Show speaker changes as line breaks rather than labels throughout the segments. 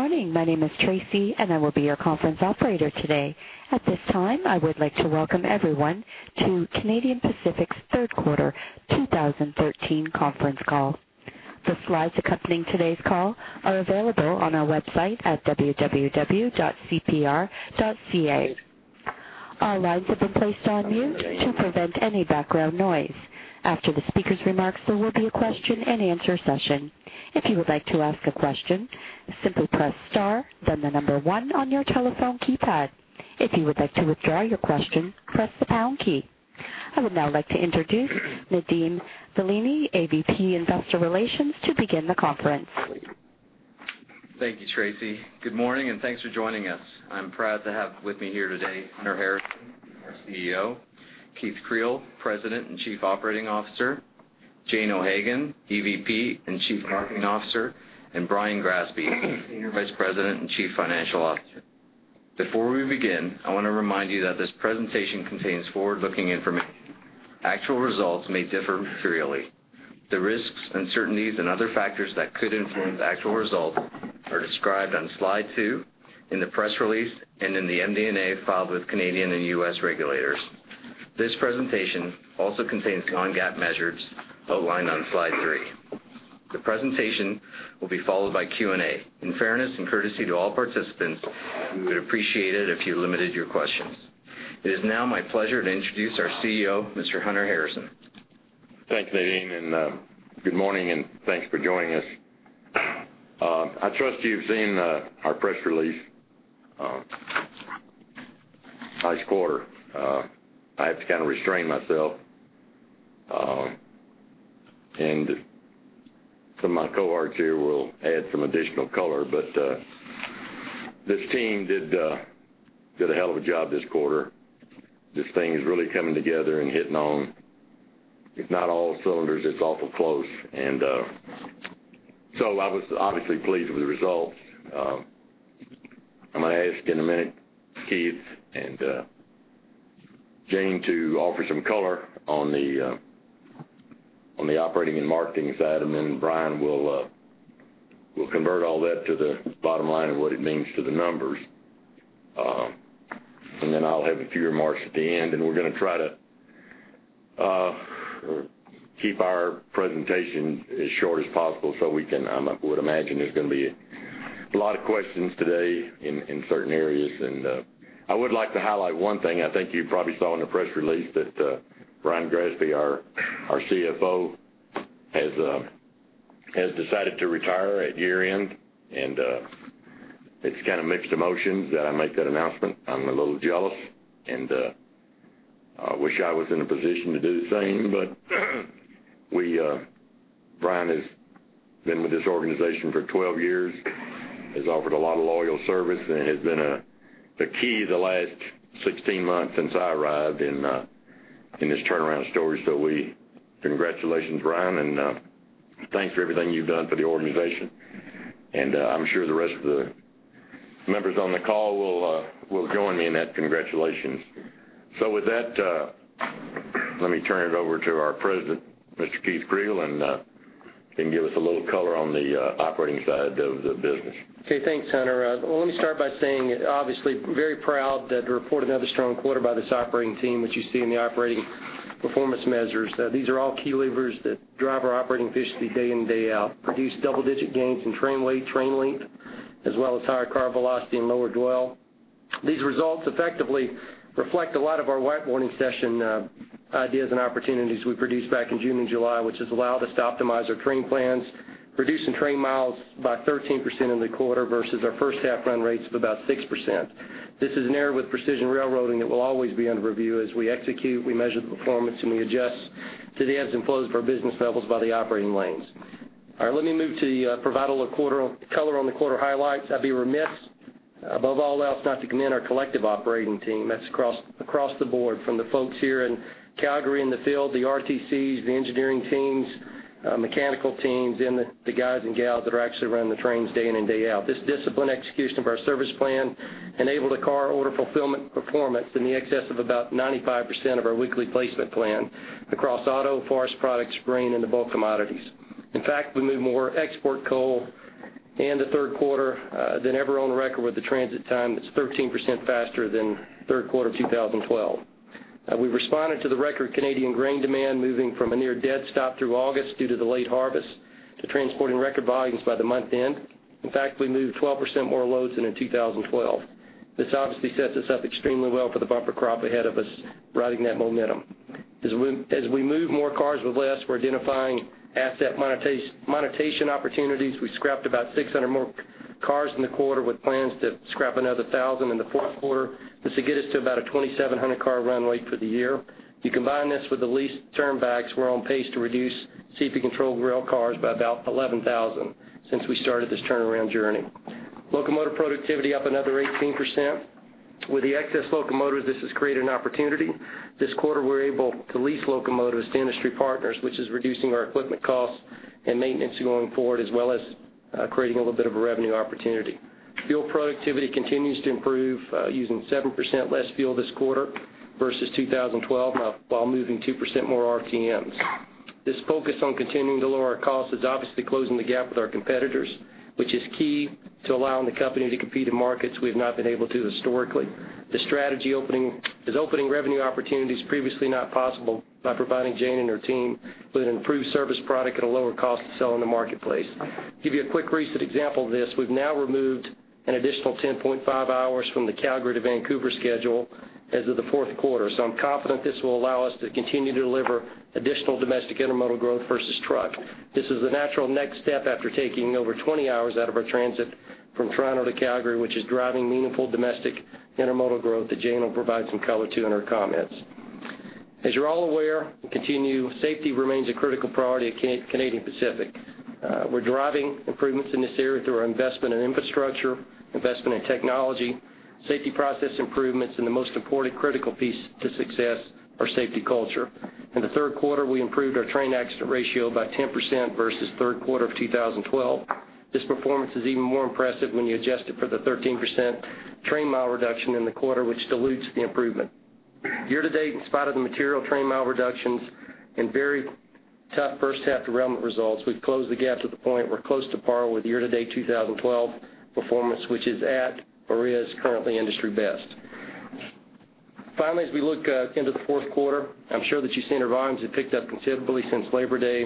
Good morning. My name is Tracy, and I will be your conference operator today. At this time, I would like to welcome everyone to Canadian Pacific's third quarter 2013 conference call. The slides accompanying today's call are available on our website at www.cpr.ca. All lines have been placed on mute to prevent any background noise. After the speaker's remarks, there will be a question-and-answer session. If you would like to ask a question, simply press star, then the number one on your telephone keypad. If you would like to withdraw your question, press the pound key. I would now like to introduce Nadeem Velani, AVP, Investor Relations, to begin the conference.
Thank you, Tracy. Good morning, and thanks for joining us. I'm proud to have with me here today, Hunter Harrison, our CEO, Keith Creel, President and Chief Operating Officer, Jane O'Hagan, EVP and Chief Marketing Officer, and Brian Grassby, Senior Vice President and Chief Financial Officer. Before we begin, I want to remind you that this presentation contains forward-looking information. Actual results may differ materially. The risks, uncertainties, and other factors that could influence actual results are described on slide two in the press release and in the MD&A filed with Canadian and US regulators. This presentation also contains non-GAAP measures outlined on slide three. The presentation will be followed by Q&A. In fairness and courtesy to all participants, we would appreciate it if you limited your questions. It is now my pleasure to introduce our CEO, Mr. Hunter Harrison.
Thanks, Nadeem, and good morning, and thanks for joining us. I trust you've seen our press release last quarter. I have to kind of restrain myself, and some of my cohorts here will add some additional color, but this team did a hell of a job this quarter. This thing is really coming together and hitting on, if not all cylinders, it's awful close. And so I was obviously pleased with the results. I'm going to ask in a minute, Keith and Jane to offer some color on the operating and marketing side, and then Brian will convert all that to the bottom line of what it means to the numbers. And then I'll have a few remarks at the end, and we're going to try to keep our presentation as short as possible so we can I would imagine there's going to be a lot of questions today in certain areas. I would like to highlight one thing. I think you probably saw in the press release that Brian Grassby, our CFO, has decided to retire at year-end. It's kind of mixed emotions that I make that announcement. I'm a little jealous, and I wish I was in a position to do the same. But we, Brian has been with this organization for 12 years, has offered a lot of loyal service, and has been the key the last 16 months since I arrived in this turnaround story. So, congratulations, Brian, and thanks for everything you've done for the organization. I'm sure the rest of the members on the call will join me in that congratulations. So with that, let me turn it over to our President, Mr. Keith Creel, and he can give us a little color on the operating side of the business.
Okay, thanks, Hunter. Let me start by saying, obviously, very proud that to report another strong quarter by this operating team, which you see in the operating performance measures. These are all key levers that drive our operating efficiency day in and day out, produce double-digit gains in train weight, train length, as well as higher car velocity and lower dwell. These results effectively reflect a lot of our whiteboarding session, ideas and opportunities we produced back in June and July, which has allowed us to optimize our train plans, reducing train miles by 13% in the quarter versus our first half run rates of about 6%. This is an area with precision railroading that will always be under review as we execute, we measure the performance, and we adjust to the ebbs and flows of our business levels by the operating lanes. All right, let me move to provide a little quarter color on the quarter highlights. I'd be remiss, above all else, not to commend our collective operating team. That's across, across the board, from the folks here in Calgary, in the field, the RTCs, the engineering teams, mechanical teams, and the, the guys and gals that are actually running the trains day in and day out. This disciplined execution of our service plan enabled a car order fulfillment performance in excess of about 95% of our weekly placement plan across auto, forest products, grain, and the bulk commodities. In fact, we moved more export coal in the third quarter than ever on record with a transit time that's 13% faster than third quarter of 2012. We've responded to the record Canadian grain demand, moving from a near dead stop through August due to the late harvest, to transporting record volumes by the month end. In fact, we moved 12% more loads than in 2012. This obviously sets us up extremely well for the bumper crop ahead of us, riding that momentum. As we move more cars with less, we're identifying asset monetization opportunities. We scrapped about 600 more cars in the quarter, with plans to scrap another 1,000 in the fourth quarter. This will get us to about a 2,700 car run rate for the year. You combine this with the lease turnbacks. We're on pace to reduce CP-controlled rail cars by about 11,000 since we started this turnaround journey. Locomotive productivity up another 18%. With the excess locomotives, this has created an opportunity. This quarter, we're able to lease locomotives to industry partners, which is reducing our equipment costs and maintenance going forward, as well as, creating a little bit of a revenue opportunity. Fuel productivity continues to improve, using 7% less fuel this quarter versus 2012, while moving 2% more RTMs. This focus on continuing to lower our costs is obviously closing the gap with our competitors, which is key to allowing the company to compete in markets we've not been able to historically. This strategy opening, is opening revenue opportunities previously not possible by providing Jane and her team with an improved service product at a lower cost to sell in the marketplace. To give you a quick recent example of this, we've now removed an additional 10.5 hours from the Calgary to Vancouver schedule as of the fourth quarter, so I'm confident this will allow us to continue to deliver additional domestic intermodal growth versus truck. This is the natural next step after taking over 20 hours out of our transit from Toronto to Calgary, which is driving meaningful domestic intermodal growth that Jane will provide some color to in her comments. As you're all aware, we continue. Safety remains a critical priority at Canadian Pacific. We're driving improvements in this area through our investment in infrastructure, investment in technology, safety process improvements, and the most important critical piece to success, our safety culture. In the third quarter, we improved our train accident ratio by 10% versus third quarter of 2012. This performance is even more impressive when you adjust it for the 13% train mile reduction in the quarter, which dilutes the improvement. Year to date, in spite of the material train mile reductions and very tough first half derailment results, we've closed the gap to the point we're close to par with year-to-date 2012 performance, which is at or is currently industry best. Finally, as we look into the fourth quarter, I'm sure that you've seen our volumes have picked up considerably since Labor Day.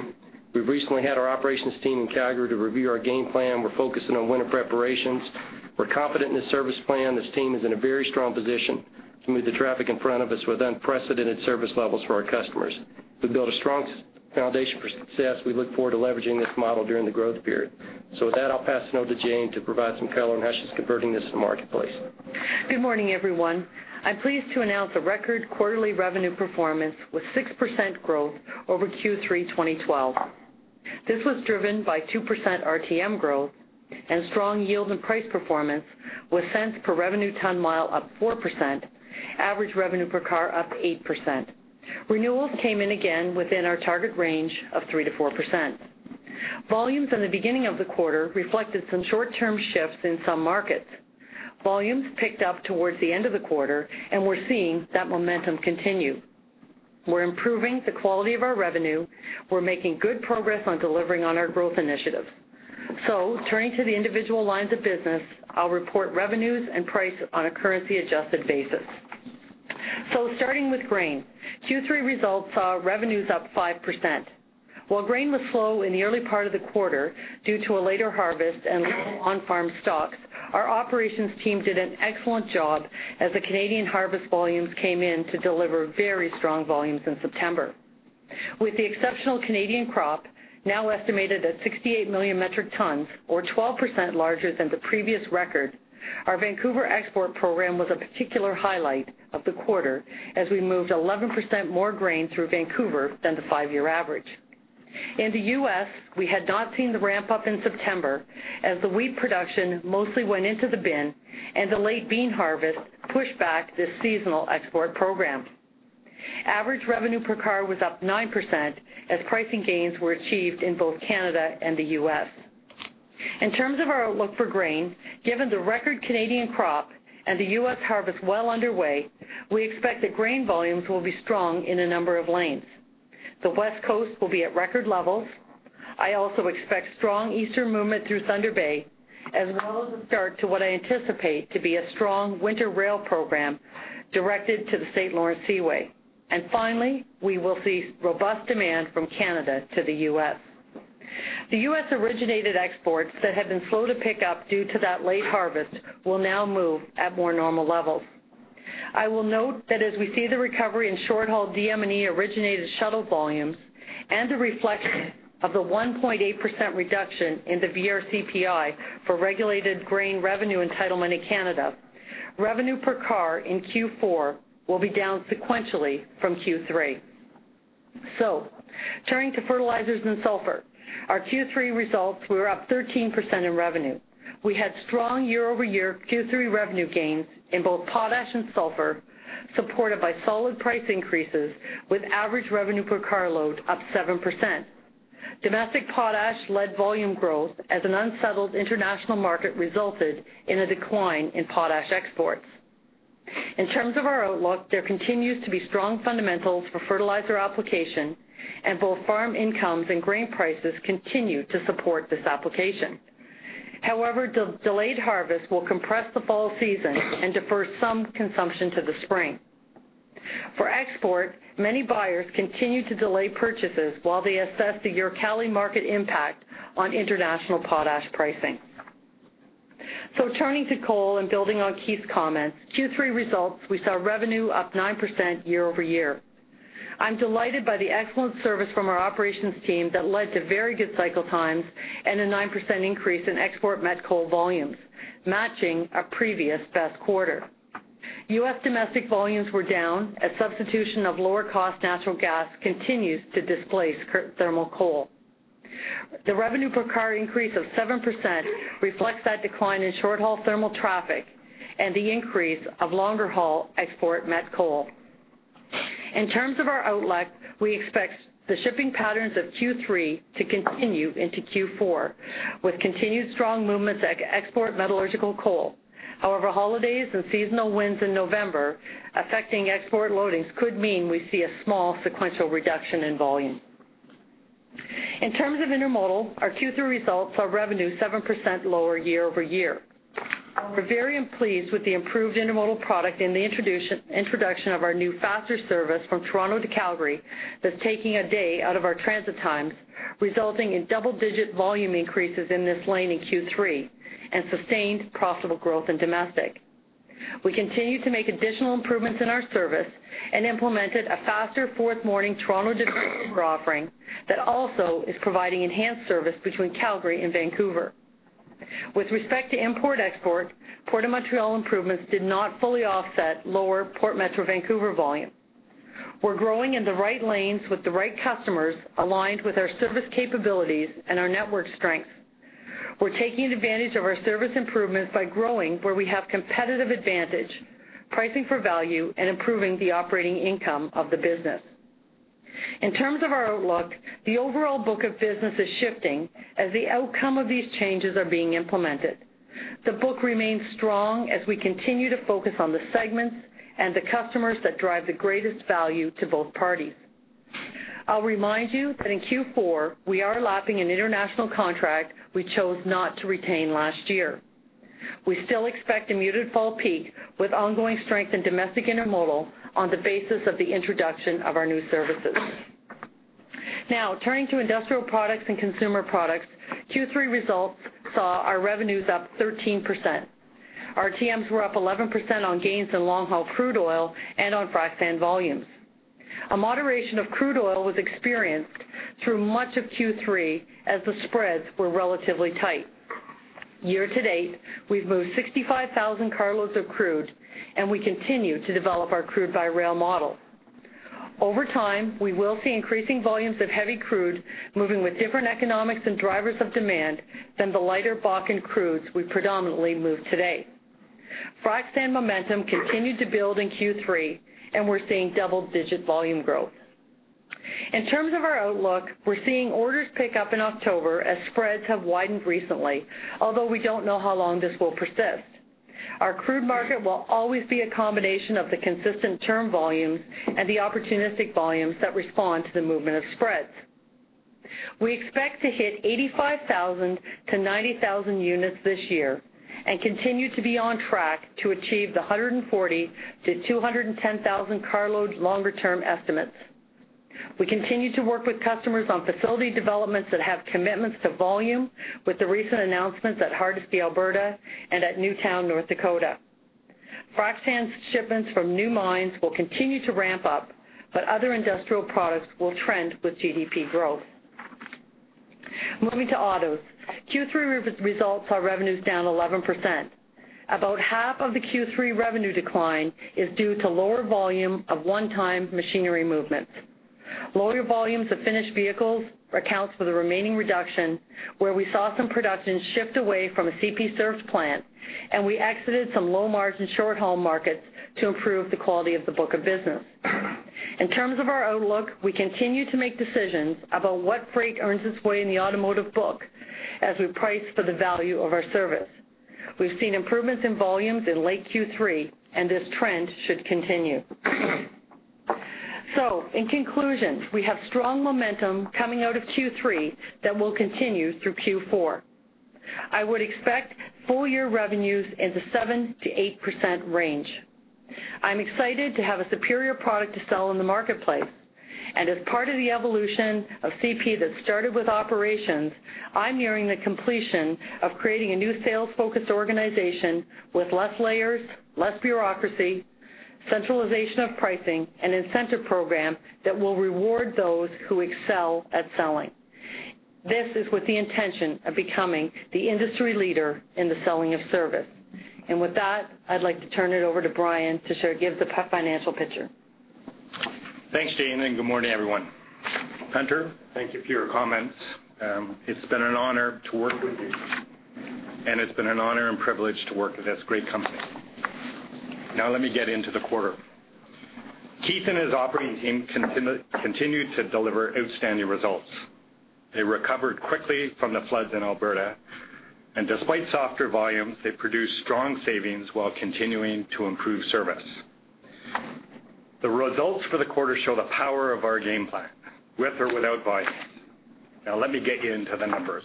We've recently had our operations team in Calgary to review our game plan. We're focusing on winter preparations. We're confident in this service plan. This team is in a very strong position to move the traffic in front of us with unprecedented service levels for our customers. We've built a strong foundation for success. We look forward to leveraging this model during the growth period. With that, I'll pass it on to Jane to provide some color on how she's converting this to the marketplace.
Good morning, everyone. I'm pleased to announce a record quarterly revenue performance with 6% growth over Q3 2012. This was driven by 2% RTM growth and strong yield and price performance, with cents per revenue ton mile up 4%, average revenue per car up 8%. Renewals came in again within our target range of 3%-4%. Volumes in the beginning of the quarter reflected some short-term shifts in some markets. Volumes picked up towards the end of the quarter, and we're seeing that momentum continue. We're improving the quality of our revenue. We're making good progress on delivering on our growth initiatives. So turning to the individual lines of business, I'll report revenues and price on a currency-adjusted basis. So starting with grain, Q3 results saw revenues up 5%. While grain was slow in the early part of the quarter due to a later harvest and low on-farm stocks, our operations team did an excellent job as the Canadian harvest volumes came in to deliver very strong volumes in September. With the exceptional Canadian crop now estimated at 68 million metric tons, or 12% larger than the previous record, our Vancouver export program was a particular highlight of the quarter as we moved 11% more grain through Vancouver than the 5-year average. In the US, we had not seen the ramp up in September, as the wheat production mostly went into the bin and the late bean harvest pushed back this seasonal export program. Average revenue per car was up 9% as pricing gains were achieved in both Canada and the US. In terms of our outlook for grain, given the record Canadian crop and the U.S. harvest well underway, we expect that grain volumes will be strong in a number of lanes. The West Coast will be at record levels. I also expect strong eastern movement through Thunder Bay, as well as the start to what I anticipate to be a strong winter rail program directed to the St. Lawrence Seaway. And finally, we will see robust demand from Canada to the U.S. The U.S.-originated exports that had been slow to pick up due to that late harvest will now move at more normal levels. I will note that as we see the recovery in short-haul DM&E-originated shuttle volumes and a reflection of the 1.8% reduction in the VRCPI for regulated grain revenue entitlement in Canada, revenue per car in Q4 will be down sequentially from Q3. So turning to fertilizers and sulfur, our Q3 results were up 13% in revenue. We had strong year-over-year Q3 revenue gains in both potash and sulfur, supported by solid price increases, with average revenue per carload up 7%. Domestic potash led volume growth as an unsettled international market resulted in a decline in potash exports. In terms of our outlook, there continues to be strong fundamentals for fertilizer application, and both farm incomes and grain prices continue to support this application. However, delayed harvest will compress the fall season and defer some consumption to the spring. For export, many buyers continue to delay purchases while they assess the Uralkali market impact on international potash pricing. So turning to coal and building on Keith's comments, Q3 results, we saw revenue up 9% year-over-year. I'm delighted by the excellent service from our operations team that led to very good cycle times and a 9% increase in export met coal volumes, matching our previous best quarter. U.S. domestic volumes were down as substitution of lower-cost natural gas continues to displace thermal coal. The revenue per car increase of 7% reflects that decline in short-haul thermal traffic and the increase of longer-haul export met coal. In terms of our outlook, we expect the shipping patterns of Q3 to continue into Q4, with continued strong movements at export metallurgical coal. However, holidays and seasonal winds in November affecting export loadings could mean we see a small sequential reduction in volume. In terms of Intermodal, our Q3 results saw revenue 7% lower year-over-year. We're very pleased with the improved Intermodal product and the introduction of our new faster service from Toronto to Calgary, that's taking a day out of our transit times, resulting in double-digit volume increases in this lane in Q3, and sustained profitable growth in domestic. We continue to make additional improvements in our service and implemented a faster fourth morning Toronto delivery offering that also is providing enhanced service between Calgary and Vancouver. With respect to import/export, Port of Montreal improvements did not fully offset lower Port Metro Vancouver volume. We're growing in the right lanes with the right customers, aligned with our service capabilities and our network strength. We're taking advantage of our service improvements by growing where we have competitive advantage, pricing for value, and improving the operating income of the business. In terms of our outlook, the overall book of business is shifting as the outcome of these changes are being implemented. The book remains strong as we continue to focus on the segments and the customers that drive the greatest value to both parties. I'll remind you that in Q4, we are lapping an international contract we chose not to retain last year. We still expect a muted fall peak, with ongoing strength in domestic Intermodal on the basis of the introduction of our new services. Now, turning to Industrial Products and Consumer Products, Q3 results saw our revenues up 13%. Our TMs were up 11% on gains in long-haul Crude Oil and on Frac Sand volumes. A moderation of Crude Oil was experienced through much of Q3 as the spreads were relatively tight. Year-to-date, we've moved 65,000 carloads of crude, and we continue to develop our crude-by-rail model. Over time, we will see increasing volumes of heavy crude moving with different economics and drivers of demand than the lighter Bakken crudes we predominantly move today. Frac sand momentum continued to build in Q3, and we're seeing double-digit volume growth. In terms of our outlook, we're seeing orders pick up in October as spreads have widened recently, although we don't know how long this will persist. Our crude market will always be a combination of the consistent term volumes and the opportunistic volumes that respond to the movement of spreads. We expect to hit 85,000-90,000 units this year and continue to be on track to achieve the 140,000-210,000 carload longer-term estimates. We continue to work with customers on facility developments that have commitments to volume, with the recent announcements at Hardisty, Alberta, and at New Town, North Dakota. Frac sand shipments from new mines will continue to ramp up, but other industrial products will trend with GDP growth. Moving to Autos. Q3 results are revenues down 11%. About half of the Q3 revenue decline is due to lower volume of one-time machinery movements. Lower volumes of finished vehicles accounts for the remaining reduction, where we saw some production shift away from a CP served plant, and we exited some low-margin, short-haul markets to improve the quality of the book of business. In terms of our outlook, we continue to make decisions about what freight earns its way in the automotive book as we price for the value of our service. We've seen improvements in volumes in late Q3, and this trend should continue. So in conclusion, we have strong momentum coming out of Q3 that will continue through Q4. I would expect full-year revenues in the 7%-8% range. I'm excited to have a superior product to sell in the marketplace, and as part of the evolution of CP that started with operations, I'm nearing the completion of creating a new sales-focused organization with less layers, less bureaucracy, centralization of pricing, and incentive program that will reward those who excel at selling. This is with the intention of becoming the industry leader in the selling of service. And with that, I'd like to turn it over to Brian to give the financial picture.
Thanks, Jane, and good morning, everyone. Hunter, thank you for your comments. It's been an honor to work with you, and it's been an honor and privilege to work at this great company. Now, let me get into the quarter. Keith and his operating team continued to deliver outstanding results. They recovered quickly from the floods in Alberta, and despite softer volumes, they produced strong savings while continuing to improve service. The results for the quarter show the power of our game plan, with or without volumes. Now, let me get you into the numbers.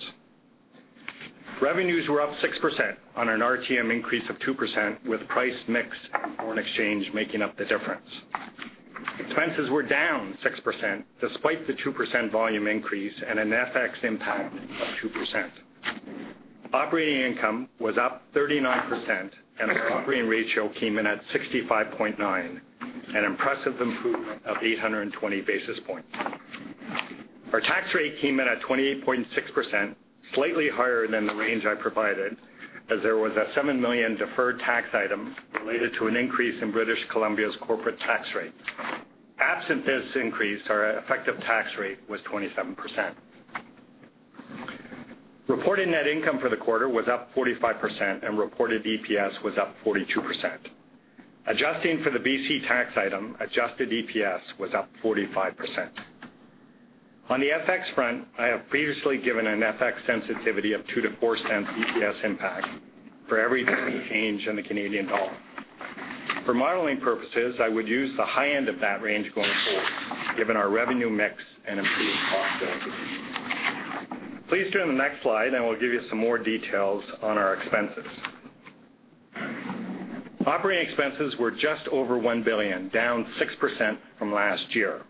Revenues were up 6% on an RTM increase of 2%, with price mix and foreign exchange making up the difference. Expenses were down 6%, despite the 2% volume increase and an FX impact of 2%. Operating income was up 39%, and our operating ratio came in at 65.9, an impressive improvement of 820 basis points. Our tax rate came in at 28.6%, slightly higher than the range I provided, as there was a 7 million deferred tax item related to an increase in British Columbia's corporate tax rate. Absent this increase, our effective tax rate was 27%. Reported net income for the quarter was up 45%, and reported EPS was up 42%. Adjusting for the BC tax item, adjusted EPS was up 45%. On the FX front, I have previously given an FX sensitivity of 0.02-0.04 EPS impact for every CAD 0.01 change in the Canadian dollar. For modeling purposes, I would use the high end of that range going forward, given our revenue mix and improved cost discipline. Please turn to the next slide, and we'll give you some more details on our expenses. Operating expenses were just over $1 billion, down 6% from last year.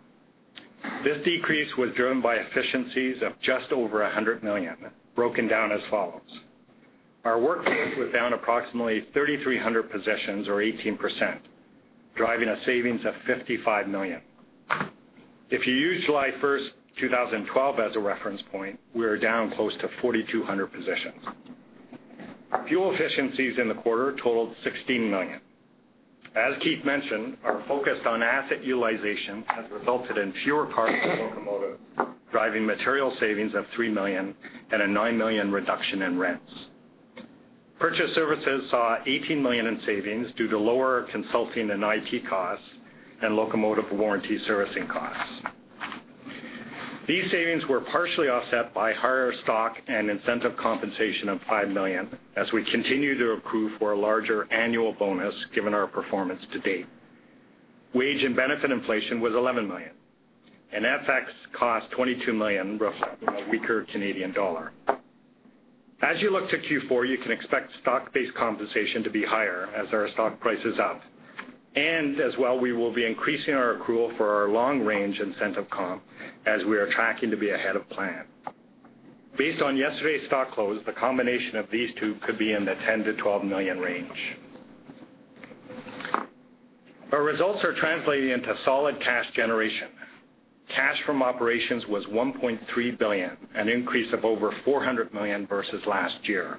This decrease was driven by efficiencies of just over $100 million, broken down as follows: Our workforce was down approximately 3,300 positions or 18%, driving a savings of $55 million. If you use July first, 2012 as a reference point, we are down close to 4,200 positions. Fuel efficiencies in the quarter totaled $16 million. As Keith mentioned, our focus on asset utilization has resulted in fewer cars and locomotives, driving material savings of $3 million and a $9 million reduction in rents. Purchase services saw $18 million in savings due to lower consulting and IT costs and locomotive warranty servicing costs. These savings were partially offset by higher stock and incentive compensation of 5 million as we continue to accrue for a larger annual bonus, given our performance to date. Wage and benefit inflation was 11 million, and FX cost 22 million, reflecting a weaker Canadian dollar. As you look to Q4, you can expect stock-based compensation to be higher as our stock price is up. And as well, we will be increasing our accrual for our long range incentive comp as we are tracking to be ahead of plan. Based on yesterday's stock close, the combination of these two could be in the 10 million-12 million range. Our results are translating into solid cash generation. Cash from operations was 1.3 billion, an increase of over 400 million versus last year.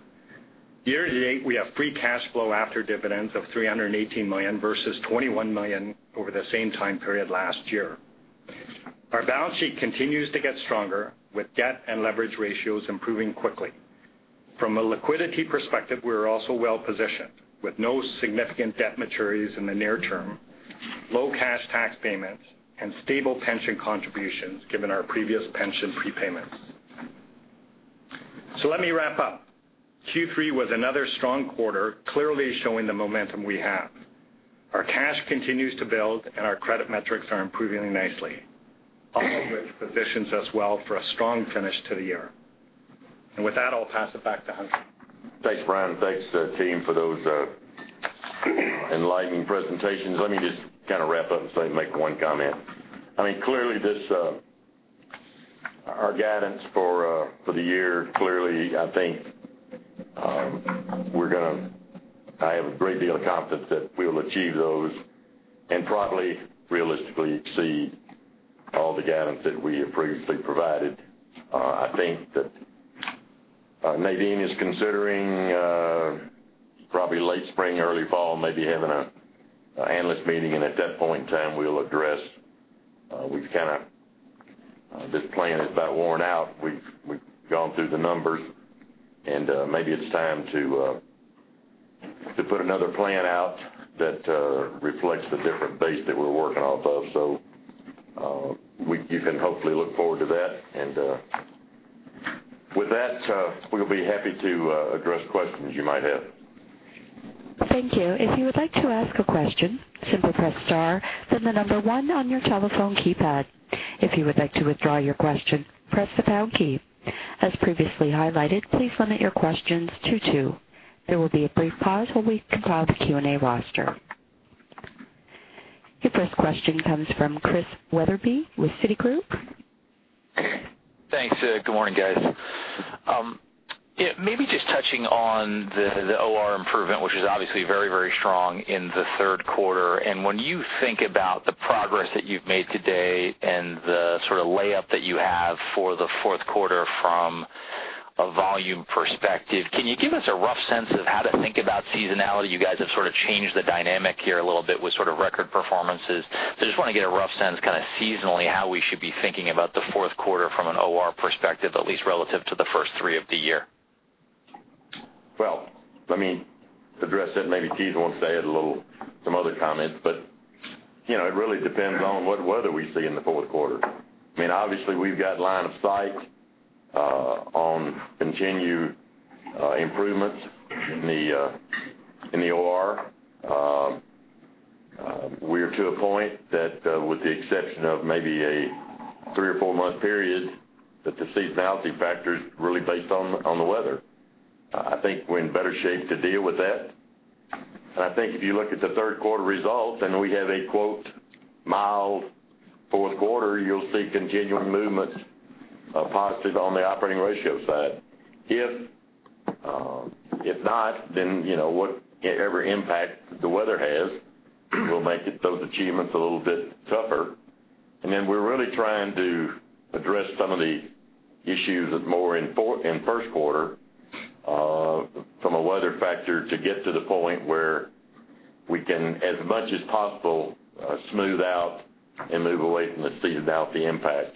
Year to date, we have free cash flow after dividends of 318 million versus 21 million over the same time period last year. Our balance sheet continues to get stronger, with debt and leverage ratios improving quickly. From a liquidity perspective, we're also well positioned, with no significant debt maturities in the near term, low cash tax payments, and stable pension contributions, given our previous pension prepayments. Let me wrap up. Q3 was another strong quarter, clearly showing the momentum we have. Our cash continues to build, and our credit metrics are improving nicely, all of which positions us well for a strong finish to the year. With that, I'll pass it back to Hunter.
Thanks, Brian. Thanks, team, for those enlightening presentations. Let me just kind of wrap up and make one comment. I mean, clearly, our guidance for the year, clearly, I think, I have a great deal of confidence that we will achieve those and probably realistically exceed all the guidance that we have previously provided. I think that Nadeem is considering, probably late spring, early fall, maybe having an analyst meeting, and at that point in time, we'll address, we've kind of this plan is about worn out. We've gone through the numbers, and, maybe it's time to put another plan out that reflects the different base that we're working off of. So, you can hopefully look forward to that. With that, we'll be happy to address questions you might have.
Thank you. If you would like to ask a question, simply press star, then the number one on your telephone keypad. If you would like to withdraw your question, press the pound key. As previously highlighted, please limit your questions to two. There will be a brief pause while we compile the Q&A roster. Your first question comes from Chris Wetherbee with Citigroup.
Thanks. Good morning, guys. Yeah, maybe just touching on the OR improvement, which is obviously very, very strong in the third quarter. And when you think about the progress that you've made today and the sort of layup that you have for the fourth quarter from a volume perspective, can you give us a rough sense of how to think about seasonality? You guys have sort of changed the dynamic here a little bit with sort of record performances. So just want to get a rough sense, kind of seasonally, how we should be thinking about the fourth quarter from an OR perspective, at least relative to the first three of the year.
Well, let me address that. Maybe Keith wants to add a little, some other comments, but, you know, it really depends on what weather we see in the fourth quarter. I mean, obviously, we've got line of sight on continued improvements in the in the OR. We're to a point that, with the exception of maybe a three or four-month period, that the seasonality factor is really based on the weather. I think we're in better shape to deal with that, and I think if you look at the third quarter results, and we have a quote, mild fourth quarter, you'll see continuing movements of positive on the operating ratio side. If not, then, you know, whatever impact the weather has, will make it-- those achievements a little bit tougher. We're really trying to address some of the issues in first quarter from a weather factor, to get to the point where we can, as much as possible, smooth out and move away from the seasonality impact.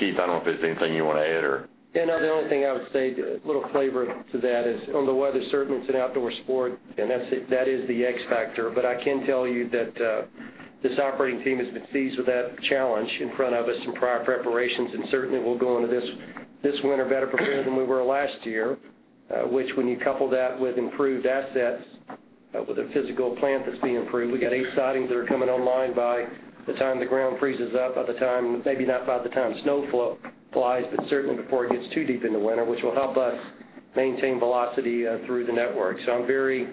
Keith, I don't know if there's anything you want to add or?
Yeah, no, the only thing I would say, a little flavor to that is on the weather, certainly, it's an outdoor sport, and that's it - that is the X factor. But I can tell you that this operating team has been seized with that challenge in front of us in prior preparations, and certainly, we'll go into this, this winter better prepared than we were last year, which when you couple that with improved assets, with a physical plant that's being improved, we got 8 sidings that are coming online by the time the ground freezes up, by the time, maybe not by the time snow flies, but certainly before it gets too deep in the winter, which will help us maintain velocity through the network. So I'm very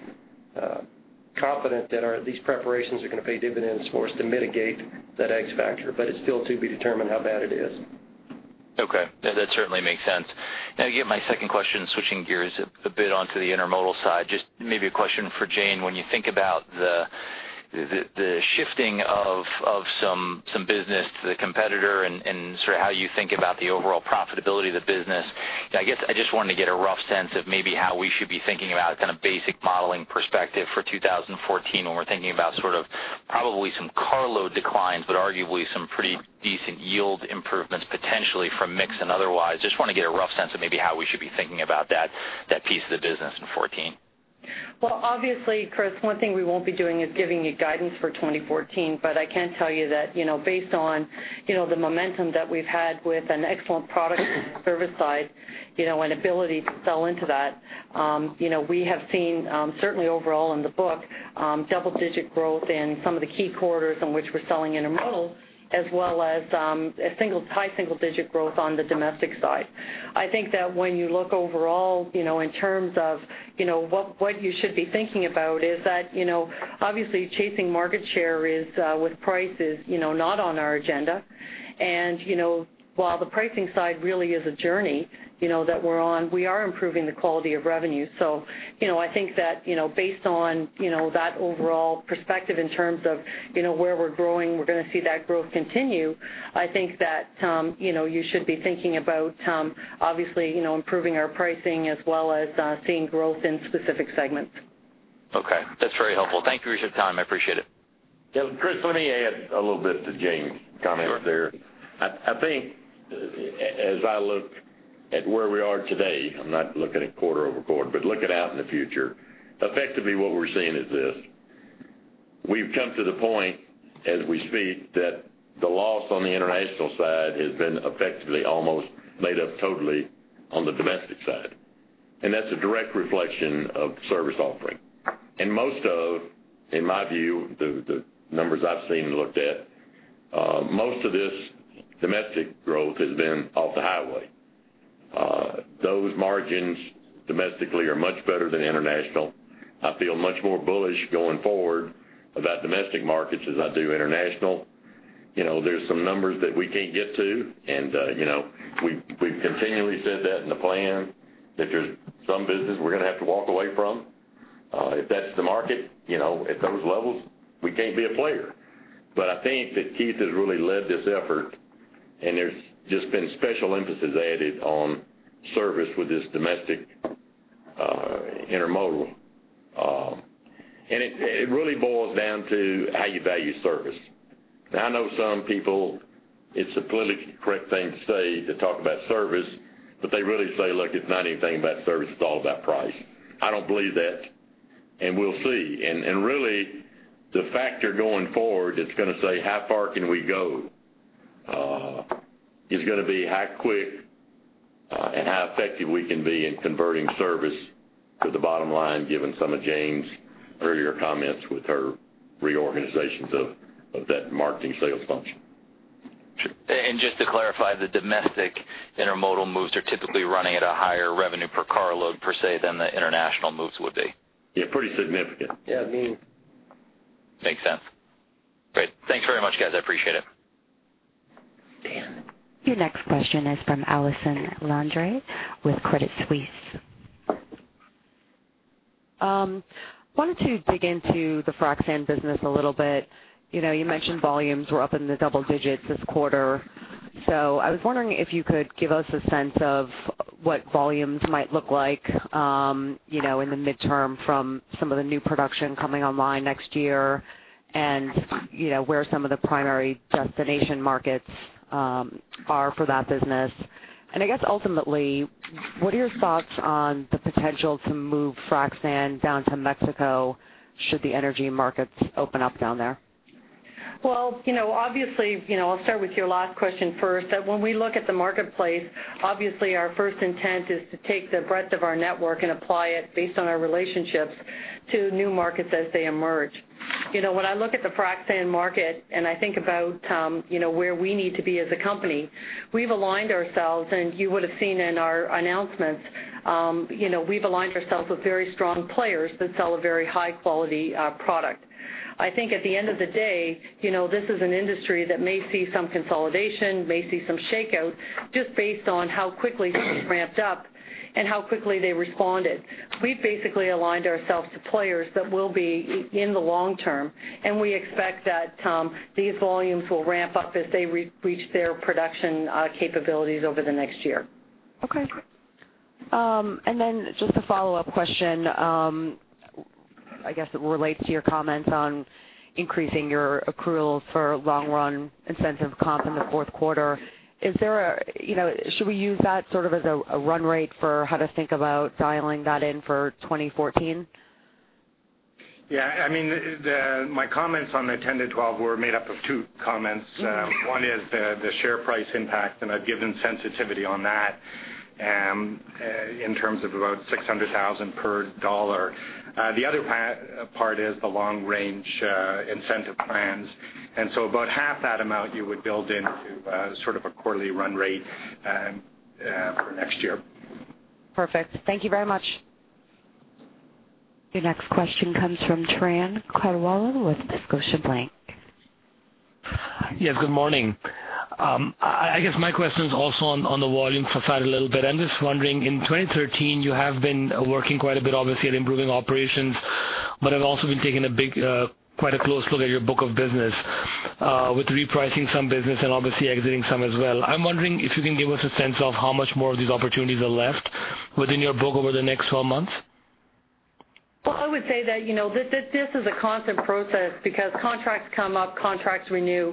confident that these preparations are going to pay dividends for us to mitigate that X factor, but it's still to be determined how bad it is.
Okay. That certainly makes sense. Now, to get my second question, switching gears a bit onto the intermodal side, just maybe a question for Jane. When you think about the shifting of some business to the competitor and sort of how you think about the overall profitability of the business, I guess I just wanted to get a rough sense of maybe how we should be thinking about kind of basic modeling perspective for 2014, when we're thinking about sort of probably some carload declines, but arguably some pretty decent yield improvements, potentially from mix and otherwise. Just want to get a rough sense of maybe how we should be thinking about that piece of the business in 2014.
Well, obviously, Chris, one thing we won't be doing is giving you guidance for 2014. But I can tell you that, you know, based on, you know, the momentum that we've had with an excellent product and service side, you know, and ability to sell into that, you know, we have seen, certainly overall in the book, double-digit growth in some of the key corridors in which we're selling intermodal, as well as, a single, high single-digit growth on the domestic side. I think that when you look overall, you know, in terms of, you know, what you should be thinking about is that, you know, obviously, chasing market share with price is, you know, not on our agenda. And, you know, while the pricing side really is a journey, you know, that we're on, we are improving the quality of revenue. So, you know, I think that, you know, based on, you know, that overall perspective in terms of, you know, where we're growing, we're going to see that growth continue. I think that, you know, you should be thinking about, obviously, you know, improving our pricing as well as seeing growth in specific segments.
Okay, that's very helpful. Thank you for your time. I appreciate it.
Yeah, Chris, let me add a little bit to Jane's comment there.
Sure.
I think as I look at where we are today, I'm not looking at quarter-over-quarter, but looking out in the future. Effectively, what we're seeing is this: we've come to the point, as we speak, that the loss on the international side has been effectively almost made up totally on the domestic side. And that's a direct reflection of service offering. And most of, in my view, the numbers I've seen and looked at, most of this domestic growth has been off the highway. Those margins domestically are much better than international. I feel much more bullish going forward about domestic markets as I do international. You know, there's some numbers that we can't get to, and, you know, we've continually said that in the plan, that there's some business we're going to have to walk away from. If that's the market, you know, at those levels, we can't be a player. But I think that Keith has really led this effort, and there's just been special emphasis added on service with this domestic intermodal. And it really boils down to how you value service. Now, I know some people, it's a politically correct thing to say, to talk about service, but they really say, "Look, it's not anything about service, it's all about price." I don't believe that, and we'll see. And really, the factor going forward, that's going to say, how far can we go, is going to be how quick and how effective we can be in converting service to the bottom line, given some of Jane's earlier comments with her reorganizations of that marketing sales function.
Sure. Just to clarify, the domestic intermodal moves are typically running at a higher revenue per carload per se, than the international moves would be?
Yeah, pretty significant.
Yeah, I mean...
Makes sense. Great. Thanks very much, guys. I appreciate it.
Your next question is from Allison Landry with Credit Suisse.
Wanted to dig into the frac sand business a little bit. You know, you mentioned volumes were up in the double digits this quarter. So I was wondering if you could give us a sense of what volumes might look like, you know, in the midterm from some of the new production coming online next year, and, you know, where some of the primary destination markets are for that business. And I guess ultimately, what are your thoughts on the potential to move frac sand down to Mexico, should the energy markets open up down there?
Well, you know, obviously, you know, I'll start with your last question first. That, when we look at the marketplace, obviously, our first intent is to take the breadth of our network and apply it based on our relationships to new markets as they emerge. You know, when I look at the Frac Sand market, and I think about, you know, where we need to be as a company, we've aligned ourselves, and you would have seen in our announcements, you know, we've aligned ourselves with very strong players that sell a very high-quality, product. I think at the end of the day, you know, this is an industry that may see some consolidation, may see some shakeout, just based on how quickly this ramped up and how quickly they responded. We've basically aligned ourselves to players that will be in the long term, and we expect that these volumes will ramp up as they reach their production capabilities over the next year.
Okay. And then just a follow-up question. I guess it relates to your comments on increasing your accruals for long run incentive comp in the fourth quarter. Is there a, you know, should we use that sort of as a run rate for how to think about dialing that in for 2014?
Yeah, I mean, my comments on the 10-12 were made up of two comments.
Mm-hmm.
One is the share price impact, and I've given sensitivity on that, in terms of about $600,000 per dollar. The other part is the long range incentive plans. And so about half that amount you would build into sort of a quarterly run rate for next year.
Perfect. Thank you very much.
Your next question comes from Turan Quettawala with Scotiabank.
Yes, good morning. I guess my question is also on the volumes forward a little bit. I'm just wondering, in 2013, you have been working quite a bit, obviously, on improving operations, but have also been taking a big, quite a close look at your book of business, with repricing some business and obviously exiting some as well. I'm wondering if you can give us a sense of how much more of these opportunities are left within your book over the next 12 months?
Well, I would say that, you know, this is a constant process because contracts come up, contracts renew.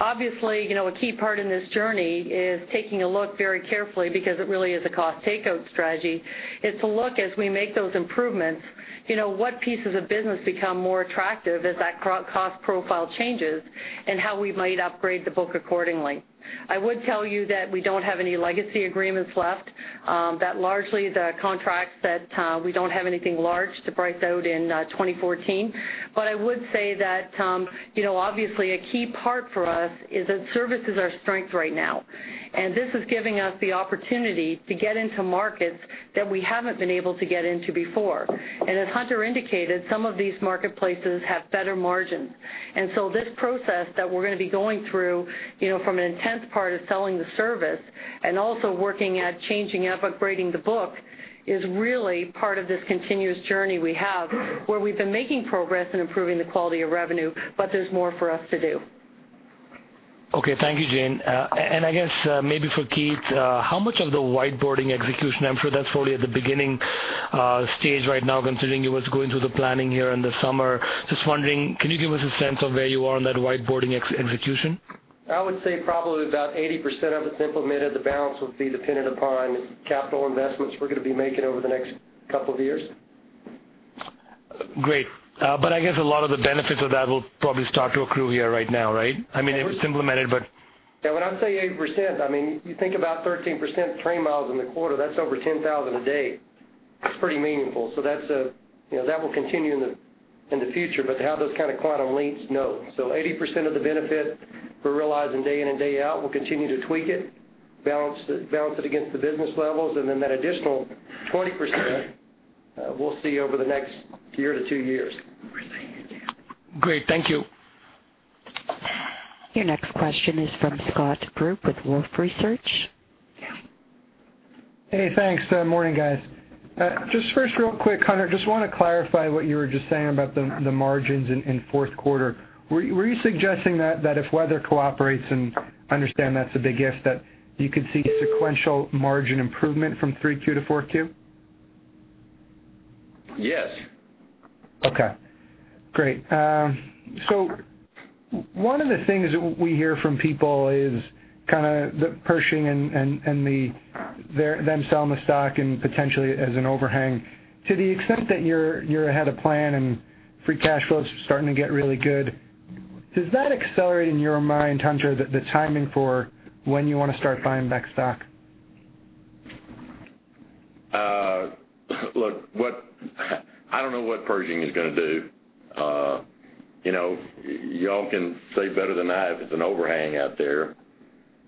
Obviously, you know, a key part in this journey is taking a look very carefully because it really is a cost takeout strategy. It's a look as we make those improvements, you know, what pieces of business become more attractive as that cost profile changes, and how we might upgrade the book accordingly. I would tell you that we don't have any legacy agreements left, that largely the contracts that we don't have anything large to price out in 2014. But I would say that, you know, obviously, a key part for us is that service is our strength right now, and this is giving us the opportunity to get into markets that we haven't been able to get into before. As Hunter indicated, some of these marketplaces have better margins. So this process that we're going to be going through, you know, from an intense part of selling the service and also working at changing and upgrading the book, is really part of this continuous journey we have, where we've been making progress in improving the quality of revenue, but there's more for us to do.
Okay, thank you, Jane. And I guess, maybe for Keith, how much of the whiteboarding execution, I'm sure that's probably at the beginning stage right now, considering you was going through the planning here in the summer. Just wondering, can you give us a sense of where you are on that whiteboarding execution?
I would say probably about 80% of it's implemented. The balance will be dependent upon capital investments we're going to be making over the next couple of years.
Great. But I guess a lot of the benefits of that will probably start to accrue here right now, right? I mean, it was implemented, but-
Yeah, when I say 80%, I mean, you think about 13% train miles in the quarter, that's over 10,000 a day. That's pretty meaningful. So that's, you know, that will continue in the, in the future. But to have those kind of quantum leaps, no. So 80% of the benefit we're realizing day in and day out, we'll continue to tweak it, balance it, balance it against the business levels, and then that additional 20%, we'll see over the next year to two years.
Great. Thank you.
Your next question is from Scott Group with Wolfe Research.
Yeah. Hey, thanks. Morning, guys. Just first, real quick, Hunter, just want to clarify what you were just saying about the margins in fourth quarter. Were you suggesting that if weather cooperates, and I understand that's a big if, that you could see sequential margin improvement from three Q to four Q?
Yes.
Okay, great. So one of the things that we hear from people is kind of the Pershing and the them selling the stock and potentially as an overhang. To the extent that you're ahead of plan and free cash flow is starting to get really good, does that accelerate, in your mind, Hunter, the timing for when you want to start buying back stock?
Look, what, I don't know what Pershing is going to do. You know, you all can say better than I if it's an overhang out there.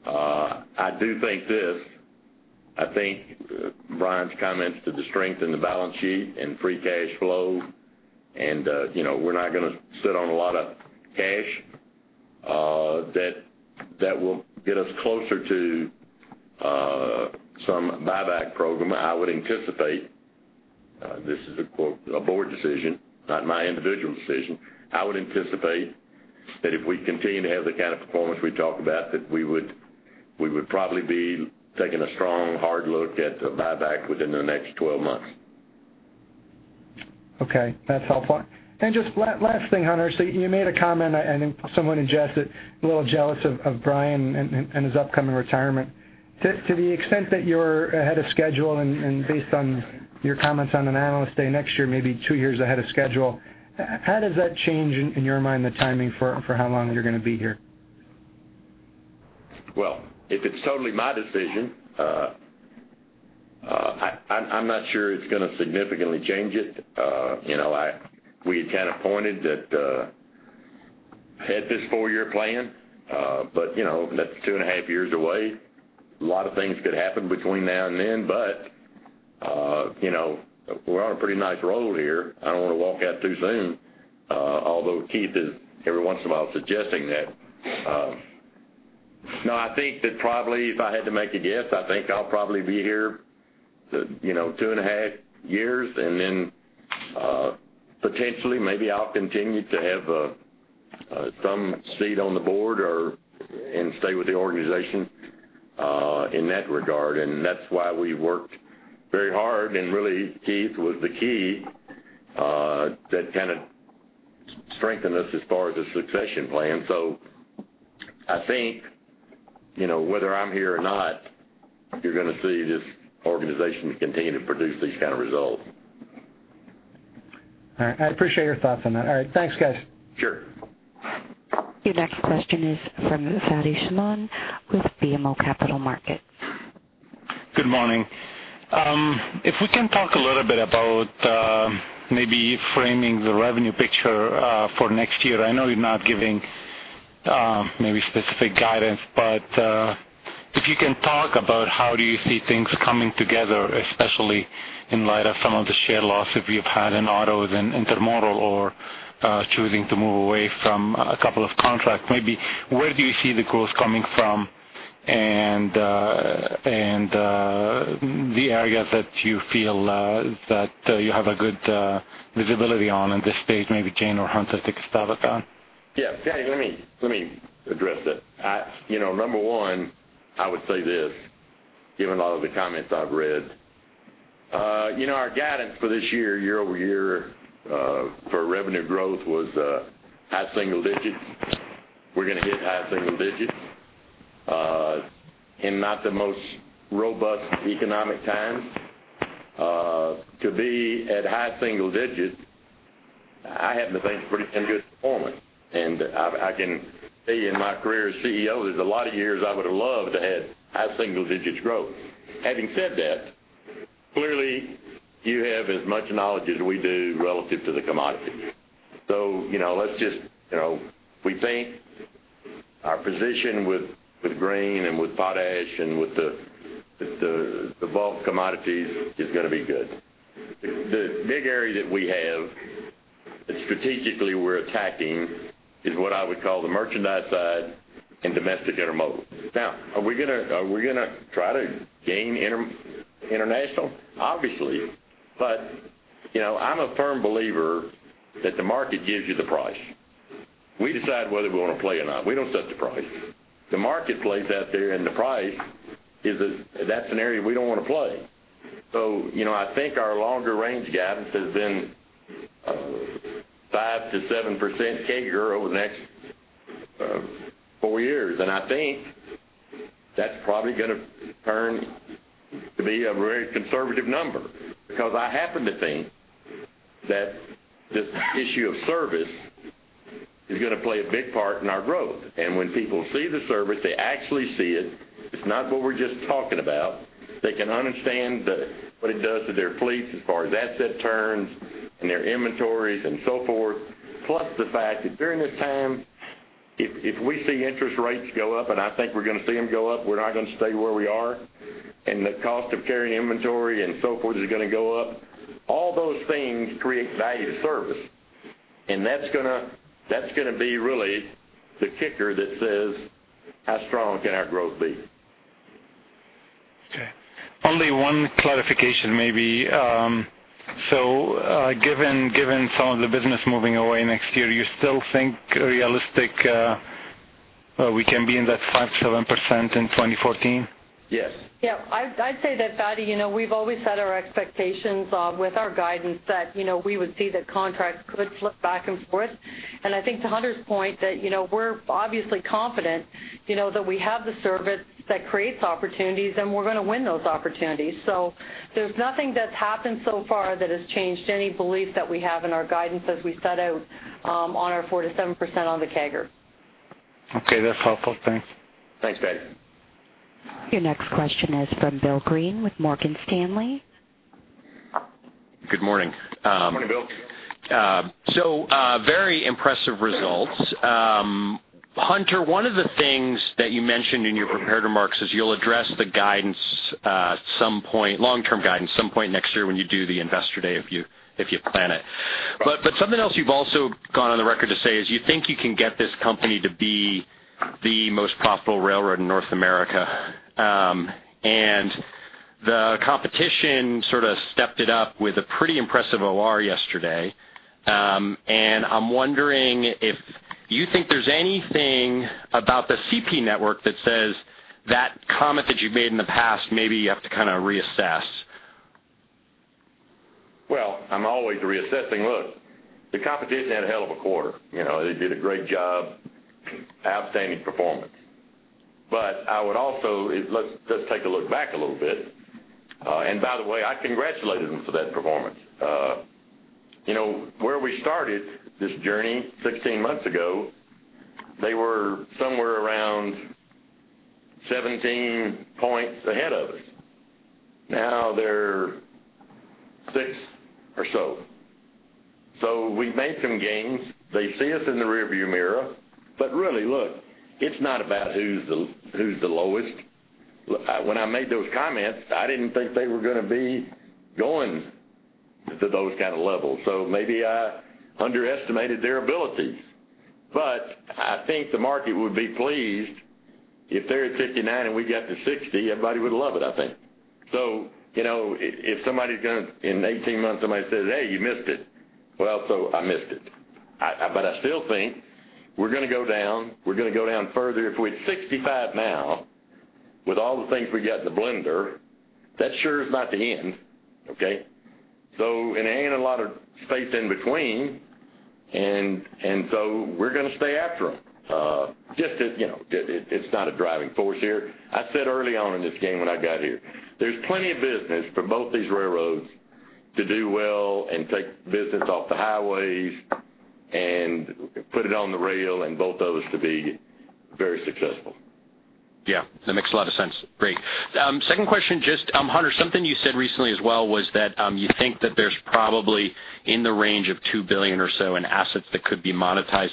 I do think this, I think Brian's comments to the strength in the balance sheet and free cash flow and, you know, we're not going to sit on a lot of cash, that, that will get us closer to, some buyback program. I would anticipate, this is, of course, a board decision, not my individual decision. I would anticipate that if we continue to have the kind of performance we talked about, that we would, we would probably be taking a strong, hard look at a buyback within the next 12 months.
Okay, that's helpful. And just last thing, Hunter. So you made a comment, and someone suggested a little jealous of Brian and his upcoming retirement. To the extent that you're ahead of schedule and based on your comments on an Analyst Day next year, maybe two years ahead of schedule, how does that change in your mind the timing for how long you're going to be here?
Well, if it's totally my decision, I'm not sure it's going to significantly change it. You know, we had kind of pointed that had this 4-year plan, but you know, that's 2.5 years away. A lot of things could happen between now and then, but you know, we're on a pretty nice roll here. I don't want to walk out too soon, although Keith is every once in a while suggesting that. No, I think that probably, if I had to make a guess, I think I'll probably be here, you know, 2.5 years, and then potentially, maybe I'll continue to have some seat on the board or and stay with the organization in that regard. That's why we worked very hard, and really, Keith was the key that kind of strengthened us as far as the succession plan. So I think, you know, whether I'm here or not, you're gonna see this organization continue to produce these kind of results.
All right. I appreciate your thoughts on that. All right. Thanks, guys.
Sure.
Your next question is from Fadi Chamoun with BMO Capital Markets.
Good morning. If we can talk a little bit about, maybe framing the revenue picture, for next year. I know you're not giving, maybe specific guidance, but, if you can talk about how do you see things coming together, especially in light of some of the share loss that we've had in autos and intermodal, or, choosing to move away from a couple of contracts. Maybe where do you see the growth coming from and, and, the areas that you feel, that, you have a good, visibility on at this stage, maybe Jane or Hunter, take a stab at that?
Yeah, Fadi, let me, let me address that. I you know, number one, I would say this, given a lot of the comments I've read, you know, our guidance for this year, year-over-year, for revenue growth was, high single digits. We're gonna hit high single digits, in not the most robust economic times. To be at high single digits, I happen to think it's pretty damn good performance, and I can say in my career as CEO, there's a lot of years I would have loved to have high single digits growth. Having said that, clearly, you have as much knowledge as we do relative to the commodity. So, you know, let's just, you know, we think our position with, with grain and with potash and with the, the, the bulk commodities is gonna be good. The big area that we have, that strategically we're attacking, is what I would call the merchandise side and domestic intermodal. Now, are we gonna, are we gonna try to gain international? Obviously. But, you know, I'm a firm believer that the market gives you the price. We decide whether we want to play or not. We don't set the price. The market plays out there, and the price is, that's an area we don't want to play. So, you know, I think our longer range guidance has been, five to seven percent CAGR over the next, four years. And I think that's probably gonna turn to be a very conservative number, because I happen to think that this issue of service is gonna play a big part in our growth. When people see the service, they actually see it, it's not what we're just talking about. They can understand the what it does to their fleets as far as asset turns and their inventories and so forth. Plus, the fact that during this time, if we see interest rates go up, and I think we're gonna see them go up, we're not gonna stay where we are, and the cost of carrying inventory and so forth is gonna go up. All those things create value to service, and that's gonna be really the kicker that says, how strong can our growth be?
Okay. Only one clarification, maybe. So, given some of the business moving away next year, you still think realistic we can be in that 5%-7% in 2014?
Yes.
Yeah, I'd, I'd say that, Fadi, you know, we've always had our expectations with our guidance that, you know, we would see that contracts could flip back and forth. And I think to Hunter's point, that, you know, we're obviously confident, you know, that we have the service that creates opportunities, and we're gonna win those opportunities. So there's nothing that's happened so far that has changed any belief that we have in our guidance as we set out on our 4%-7% on the CAGR.
Okay, that's helpful. Thanks.
Thanks, Fadi.
Your next question is from Bill Greene with Morgan Stanley.
Good morning,
Good morning, Bill.
So, very impressive results. Hunter, one of the things that you mentioned in your prepared remarks is you'll address the guidance, some point, long-term guidance, some point next year when you do the Investor Day, if you, if you plan it.
Right.
But something else you've also gone on the record to say is you think you can get this company to be the most profitable railroad in North America. And the competition sort of stepped it up with a pretty impressive OR yesterday. And I'm wondering if you think there's anything about the CP network that says that comment that you've made in the past, maybe you have to kind of reassess?
Well, I'm always reassessing. Look, the competition had a hell of a quarter. You know, they did a great job, outstanding performance. But I would also... Let's take a look back a little bit. And by the way, I congratulated them for that performance. You know, where we started this journey 16 months ago, they were somewhere around 17 points ahead of us. Now, they're 6 or so. So we've made some gains. They see us in the rearview mirror, but really, look, it's not about who's the, who's the lowest. When I made those comments, I didn't think they were gonna be going to those kind of levels, so maybe I underestimated their abilities. But I think the market would be pleased if they're at 59 and we got to 60, everybody would love it, I think. So, you know, if somebody's gonna, in 18 months, somebody says, "Hey, you missed it." Well, so I missed it. But I still think we're gonna go down, we're gonna go down further. If we're at 65 now, with all the things we got in the blender, that sure is not the end, okay? So and there ain't a lot of space in between, and so we're gonna stay after them. Just that, you know, it, it's not a driving force here. I said early on in this game when I got here, there's plenty of business for both these railroads to do well and take business off the highways and put it on the rail and both of us to be very successful.
Yeah, that makes a lot of sense. Great. Second question, just, Hunter, something you said recently as well, was that you think that there's probably in the range of 2 billion or so in assets that could be monetized.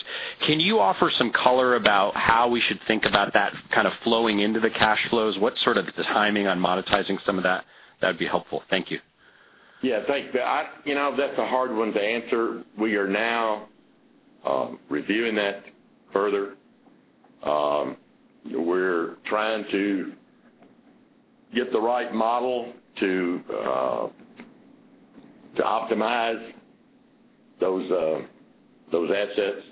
Can you offer some color about how we should think about that kind of flowing into the cash flows? What sort of the timing on monetizing some of that? That'd be helpful. Thank you.
Yeah, thanks. You know, that's a hard one to answer. We are now reviewing that further. We're trying to get the right model to optimize those assets.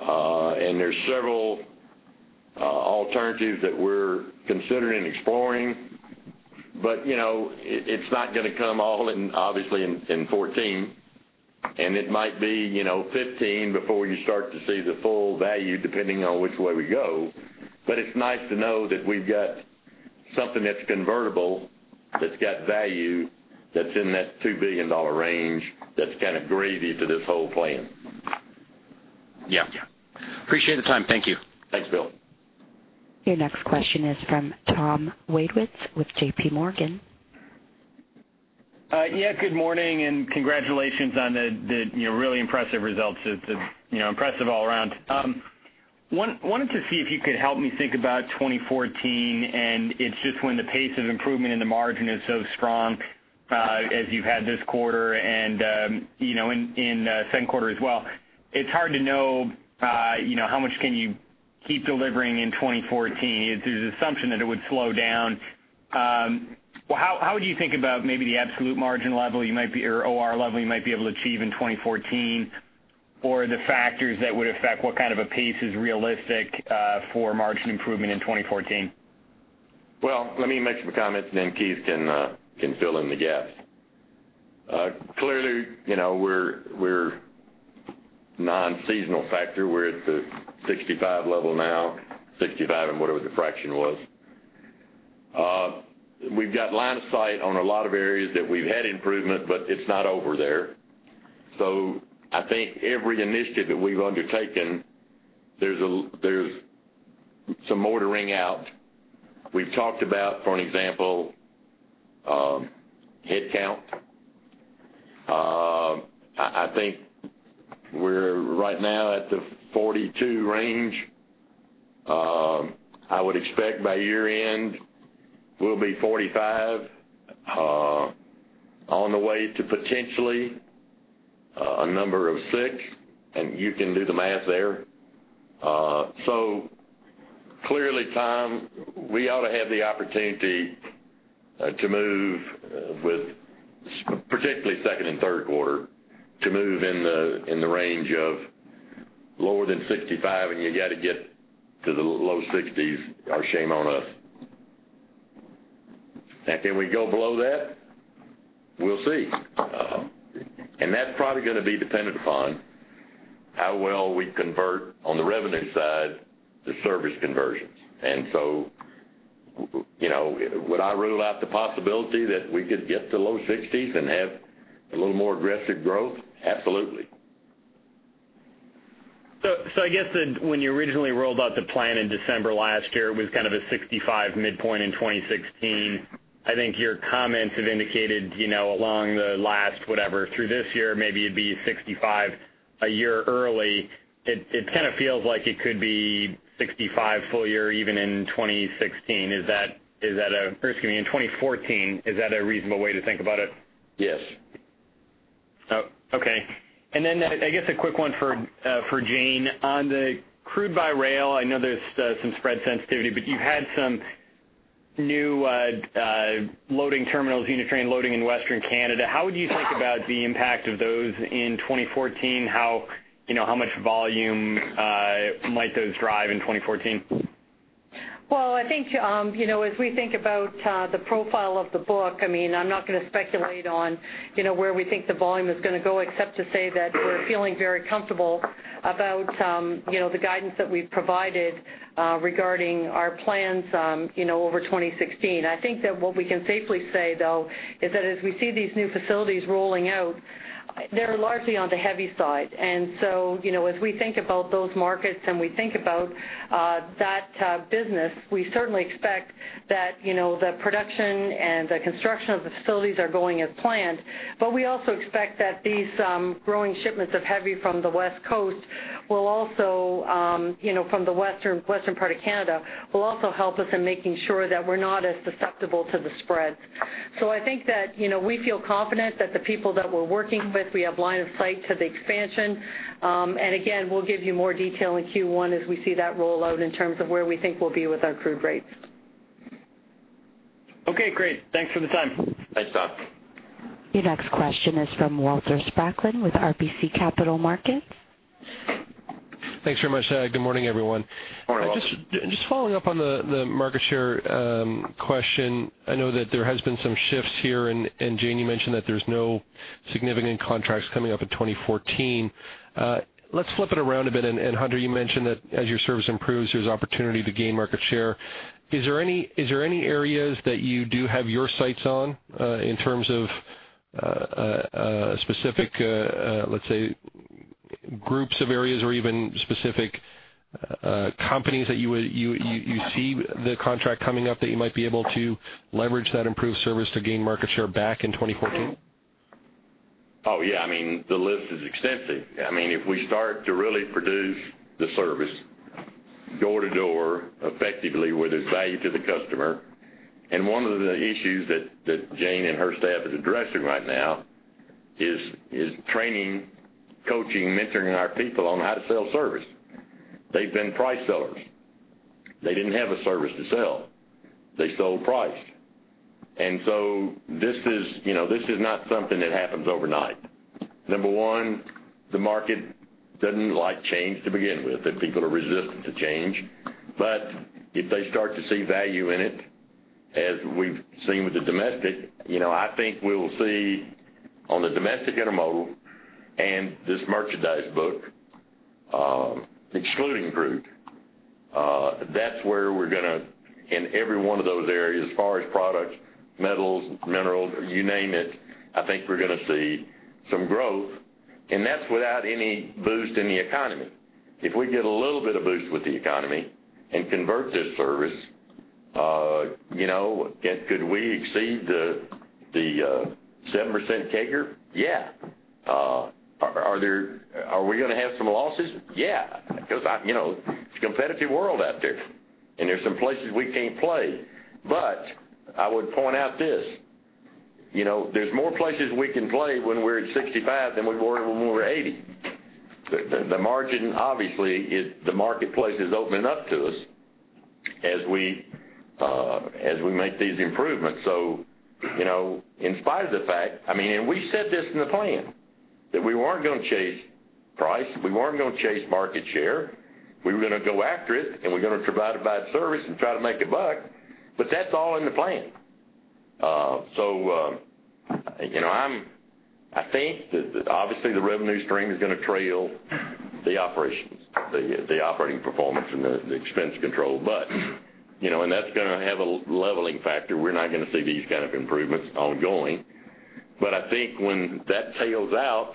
And there's several alternatives that we're considering and exploring. But, you know, it's not gonna come all in, obviously, in 2014, and it might be, you know, 2015 before you start to see the full value, depending on which way we go. But it's nice to know that we've got something that's convertible, that's got value, that's in that $2 billion range, that's kind of gravy to this whole plan.
Yeah. Appreciate the time. Thank you.
Thanks, Bill.
Your next question is from Tom Wadewitz with J.P. Morgan.
Yeah, good morning, and congratulations on the, you know, really impressive results. It's, it's, you know, impressive all around. Wanted to see if you could help me think about 2014, and it's just when the pace of improvement in the margin is so strong as you've had this quarter, and, you know, in second quarter as well. It's hard to know, you know, how much can you keep delivering in 2014. There's an assumption that it would slow down. Well, how would you think about maybe the absolute margin level you might be, or OR level you might be able to achieve in 2014, or the factors that would affect what kind of a pace is realistic for margin improvement in 2014?
Well, let me make some comments, and then Keith can fill in the gaps. Clearly, you know, we're non-seasonal factor. We're at the 65 level now, 65, and whatever the fraction was. We've got line of sight on a lot of areas that we've had improvement, but it's not over there. So I think every initiative that we've undertaken, there's some more to wring out. We've talked about, for an example, headcount. I think we're right now at the 42 range. I would expect by year-end, we'll be 45, on the way to potentially a number of six, and you can do the math there. So clearly, Tom, we ought to have the opportunity to move with, particularly second and third quarter, to move in the, in the range of lower than 65, and you got to get to the low 60s or shame on us. And can we go below that? We'll see. And that's probably gonna be dependent upon how well we convert on the revenue side, the service conversions. And so, you know, would I rule out the possibility that we could get to low 60s and have a little more aggressive growth? Absolutely.
So, I guess that when you originally rolled out the plan in December last year, it was kind of a 65 midpoint in 2016. I think your comments have indicated, you know, along the last, whatever, through this year, maybe it'd be 65, a year early. It kind of feels like it could be 65 full year, even in 2016. Is that, or excuse me, in 2014, is that a reasonable way to think about it?
Yes.
Oh, okay. And then I guess a quick one for Jane. On the crude by rail, I know there's some spread sensitivity, but you've had some new loading terminals, unit train loading in Western Canada. How would you think about the impact of those in 2014? How, you know, how much volume might those drive in 2014?
Well, I think, you know, as we think about the profile of the book, I mean, I'm not gonna speculate on, you know, where we think the volume is gonna go, except to say that we're feeling very comfortable about, you know, the guidance that we've provided, regarding our plans, you know, over 2016. I think that what we can safely say, though, is that as we see these new facilities rolling out, they're largely on the heavy side. And so, you know, as we think about those markets and we think about that business, we certainly expect that, you know, the production and the construction of the facilities are going as planned. But we also expect that these growing shipments of heavy from the West Coast will also, you know, from the western, western part of Canada, will also help us in making sure that we're not as susceptible to the spreads. So I think that, you know, we feel confident that the people that we're working with, we have line of sight to the expansion. And again, we'll give you more detail in Q1 as we see that roll out in terms of where we think we'll be with our crude rates.
Okay, great. Thanks for the time.
Thanks, Tom.
Your next question is from Walter Spracklin with RBC Capital Markets.
Thanks very much. Good morning, everyone.
Good morning, Walter.
Just following up on the market share question. I know that there has been some shifts here, and Jane, you mentioned that there's no significant contracts coming up in 2014. Let's flip it around a bit, and Hunter, you mentioned that as your service improves, there's opportunity to gain market share. Is there any areas that you do have your sights on, in terms of a specific, let's say, groups of areas or even specific companies that you would see the contract coming up that you might be able to leverage that improved service to gain market share back in 2014?
Oh, yeah. I mean, the list is extensive. I mean, if we start to really produce the service door to door, effectively, where there's value to the customer, and one of the issues that Jane and her staff is addressing right now is training, coaching, mentoring our people on how to sell service. They've been price sellers. They didn't have a service to sell. They sold price. And so this is, you know, this is not something that happens overnight. Number one, the market doesn't like change to begin with, and people are resistant to change. But if they start to see value in it, as we've seen with the domestic, you know, I think we'll see on the domestic intermodal and this merchandise book, excluding crude, that's where we're gonna, in every one of those areas, as far as products, metals, minerals, you name it, I think we're gonna see some growth, and that's without any boost in the economy. If we get a little bit of boost with the economy and convert this service, you know, could, could we exceed the, the, 7% CAGR? Yeah. Are we gonna have some losses? Yeah, because, you know, it's a competitive world out there, and there's some places we can't play. But I would point out this, you know, there's more places we can play when we're at 65 than we were when we were 80. The margin, obviously, is the marketplace is opening up to us as we, as we make these improvements. So, you know, in spite of the fact, I mean, and we said this in the plan, that we weren't gonna chase price, we weren't gonna chase market share. We were gonna go after it, and we're gonna provide a bad service and try to make a buck, but that's all in the plan. So, you know, I'm I think that, obviously, the revenue stream is gonna trail the operations, the operating performance and the expense control. But, you know, and that's gonna have a leveling factor. We're not gonna see these kind of improvements ongoing. But I think when that tails out,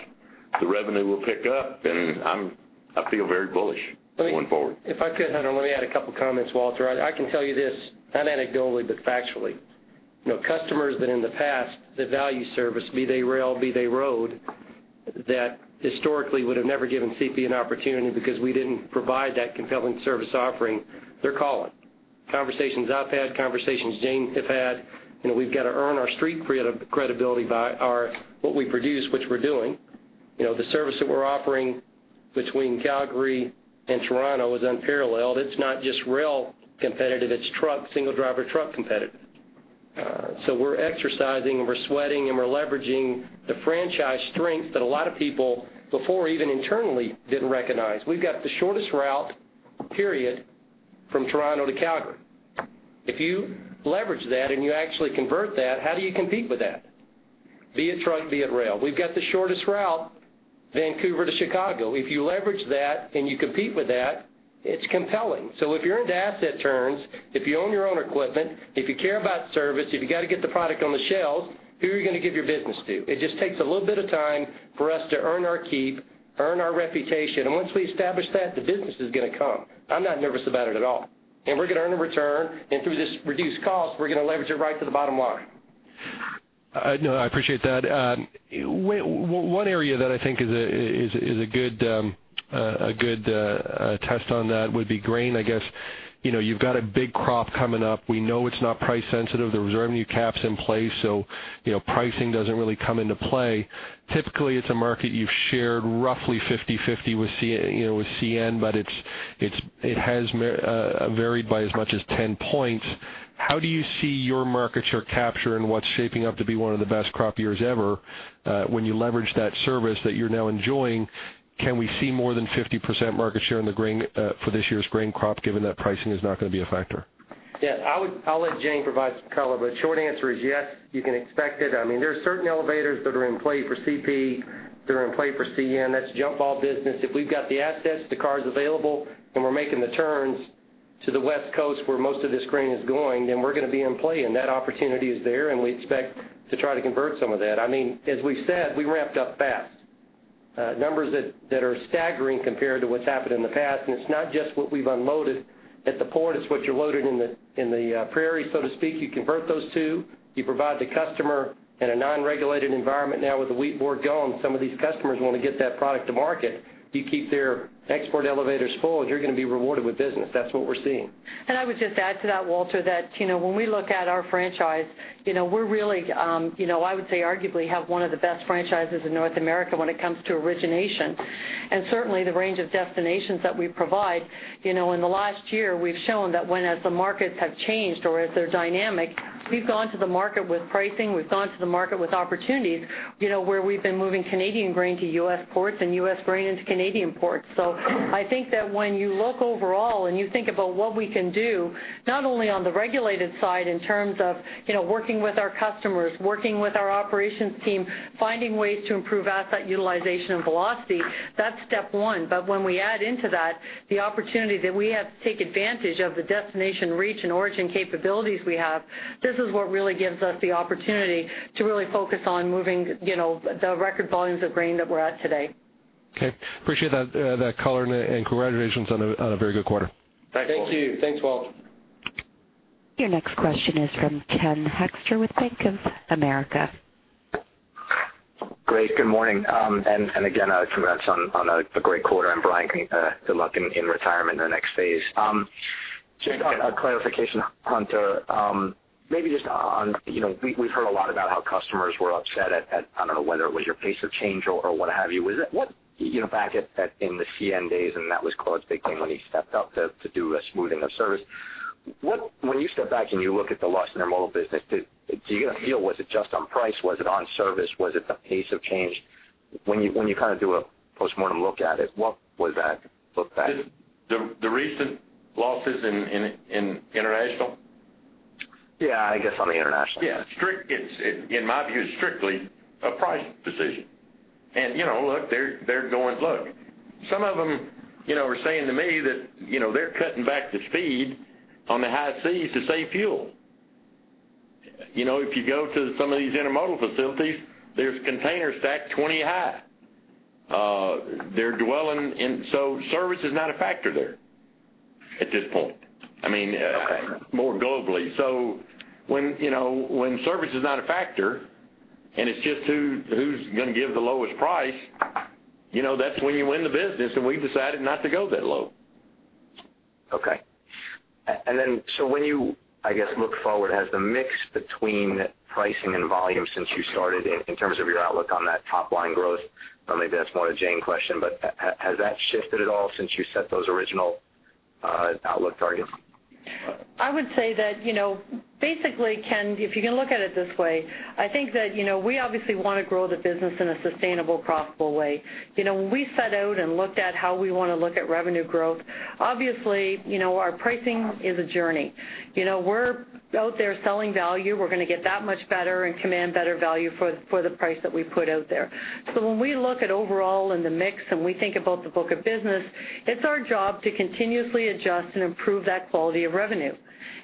the revenue will pick up, and I'm, I feel very bullish going forward.
If I could, Hunter, let me add a couple of comments, Walter. I, I can tell you this, not anecdotally, but factually. You know, customers that in the past, the value service, be they rail, be they road, that historically would have never given CP an opportunity because we didn't provide that compelling service offering, they're calling. Conversations I've had, conversations Jane have had, you know, we've got to earn our street credibility by our, what we produce, which we're doing. You know, the service that we're offering between Calgary and Toronto is unparalleled. It's not just rail competitive, it's truck, single driver truck competitive. So we're exercising, and we're sweating, and we're leveraging the franchise strength that a lot of people before, even internally, didn't recognize. We've got the shortest route, period, from Toronto to Calgary. If you leverage that and you actually convert that, how do you compete with that? Be it truck, be it rail. We've got the shortest route, Vancouver to Chicago. If you leverage that and you compete with that, it's compelling. So if you're into asset turns, if you own your own equipment, if you care about service, if you got to get the product on the shelves, who are you going to give your business to? It just takes a little bit of time for us to earn our keep, earn our reputation, and once we establish that, the business is going to come. I'm not nervous about it at all. And we're going to earn a return, and through this reduced cost, we're going to leverage it right to the bottom line.
No, I appreciate that. One area that I think is a good test on that would be grain. I guess, you know, you've got a big crop coming up. We know it's not price sensitive. There's revenue caps in place, so, you know, pricing doesn't really come into play. Typically, it's a market you've shared roughly 50/50 with C, you know, with CN, but it has varied by as much as 10 points. How do you see your market share capture and what's shaping up to be one of the best crop years ever, when you leverage that service that you're now enjoying? Can we see more than 50% market share in the grain for this year's grain crop, given that pricing is not going to be a factor?
Yeah, I would-- I'll let Jane provide some color, but short answer is yes, you can expect it. I mean, there are certain elevators that are in play for CP, that are in play for CN. That's jump ball business. If we've got the assets, the cars available, and we're making the turns to the West Coast, where most of this grain is going, then we're gonna be in play, and that opportunity is there, and we expect to try to convert some of that. I mean, as we said, we ramped up fast. Numbers that are staggering compared to what's happened in the past, and it's not just what we've unloaded at the port, it's what you loaded in the prairie, so to speak. You convert those too, you provide the customer in a non-regulated environment. Now, with the Wheat Board gone, some of these customers want to get that product to market. You keep their export elevators full, and you're going to be rewarded with business. That's what we're seeing.
And I would just add to that, Walter, that, you know, when we look at our franchise, you know, we're really, you know, I would say, arguably, have one of the best franchises in North America when it comes to origination, and certainly the range of destinations that we provide, you know, in the last year, we've shown that when, as the markets have changed or as they're dynamic, we've gone to the market with pricing, we've gone to the market with opportunities, you know, where we've been moving Canadian grain to U.S. ports and U.S. grain into Canadian ports. So I think that when you look overall and you think about what we can do, not only on the regulated side in terms of, you know, working with our customers, working with our operations team, finding ways to improve asset utilization and velocity, that's step one. But when we add into that, the opportunity that we have to take advantage of the destination, reach, and origin capabilities we have, this is what really gives us the opportunity to really focus on moving, you know, the record volumes of grain that we're at today.
Okay. Appreciate that color, and congratulations on a very good quarter.
Thanks, Walt.
Thank you. Thanks, Walt.
Your next question is from Ken Hoexter with Bank of America.
Great, good morning. And again, congrats on a great quarter, and Brian, good luck in retirement in the next phase. Just a clarification, Hunter. Maybe just on, you know, we've heard a lot about how customers were upset at, I don't know whether it was your pace of change or what have you. Was it what... You know, back in the CN days, and that was Claude's big thing when he stepped up to do a smoothing of service. What, when you step back, and you look at the loss in their intermodal business, do you have a feel, was it just on price? Was it on service? Was it the pace of change? When you kind of do a postmortem look at it, what was that look back?
The recent losses in international?
Yeah, I guess on the international.
Yeah. Strictly, in my view, it's strictly a price decision. And, you know, look, they're going. Look, some of them, you know, are saying to me that, you know, they're cutting back the speed on the high seas to save fuel. You know, if you go to some of these intermodal facilities, there's containers stacked 20 high. They're dwelling in. So service is not a factor there, at this point, I mean, more globally. So when, you know, when service is not a factor, and it's just who's going to give the lowest price, you know, that's when you win the business, and we've decided not to go that low.
Okay. And then, so when you, I guess, look forward, has the mix between pricing and volume since you started in terms of your outlook on that top line growth, or maybe that's more a Jane question, but has that shifted at all since you set those original outlook targets?
I would say that, you know, basically, Ken, if you can look at it this way, I think that, you know, we obviously want to grow the business in a sustainable, profitable way. You know, when we set out and looked at how we want to look at revenue growth, obviously, you know, our pricing is a journey. You know, we're out there selling value. We're going to get that much better and command better value for, for the price that we put out there. So when we look at overall in the mix, and we think about the book of business, it's our job to continuously adjust and improve that quality of revenue.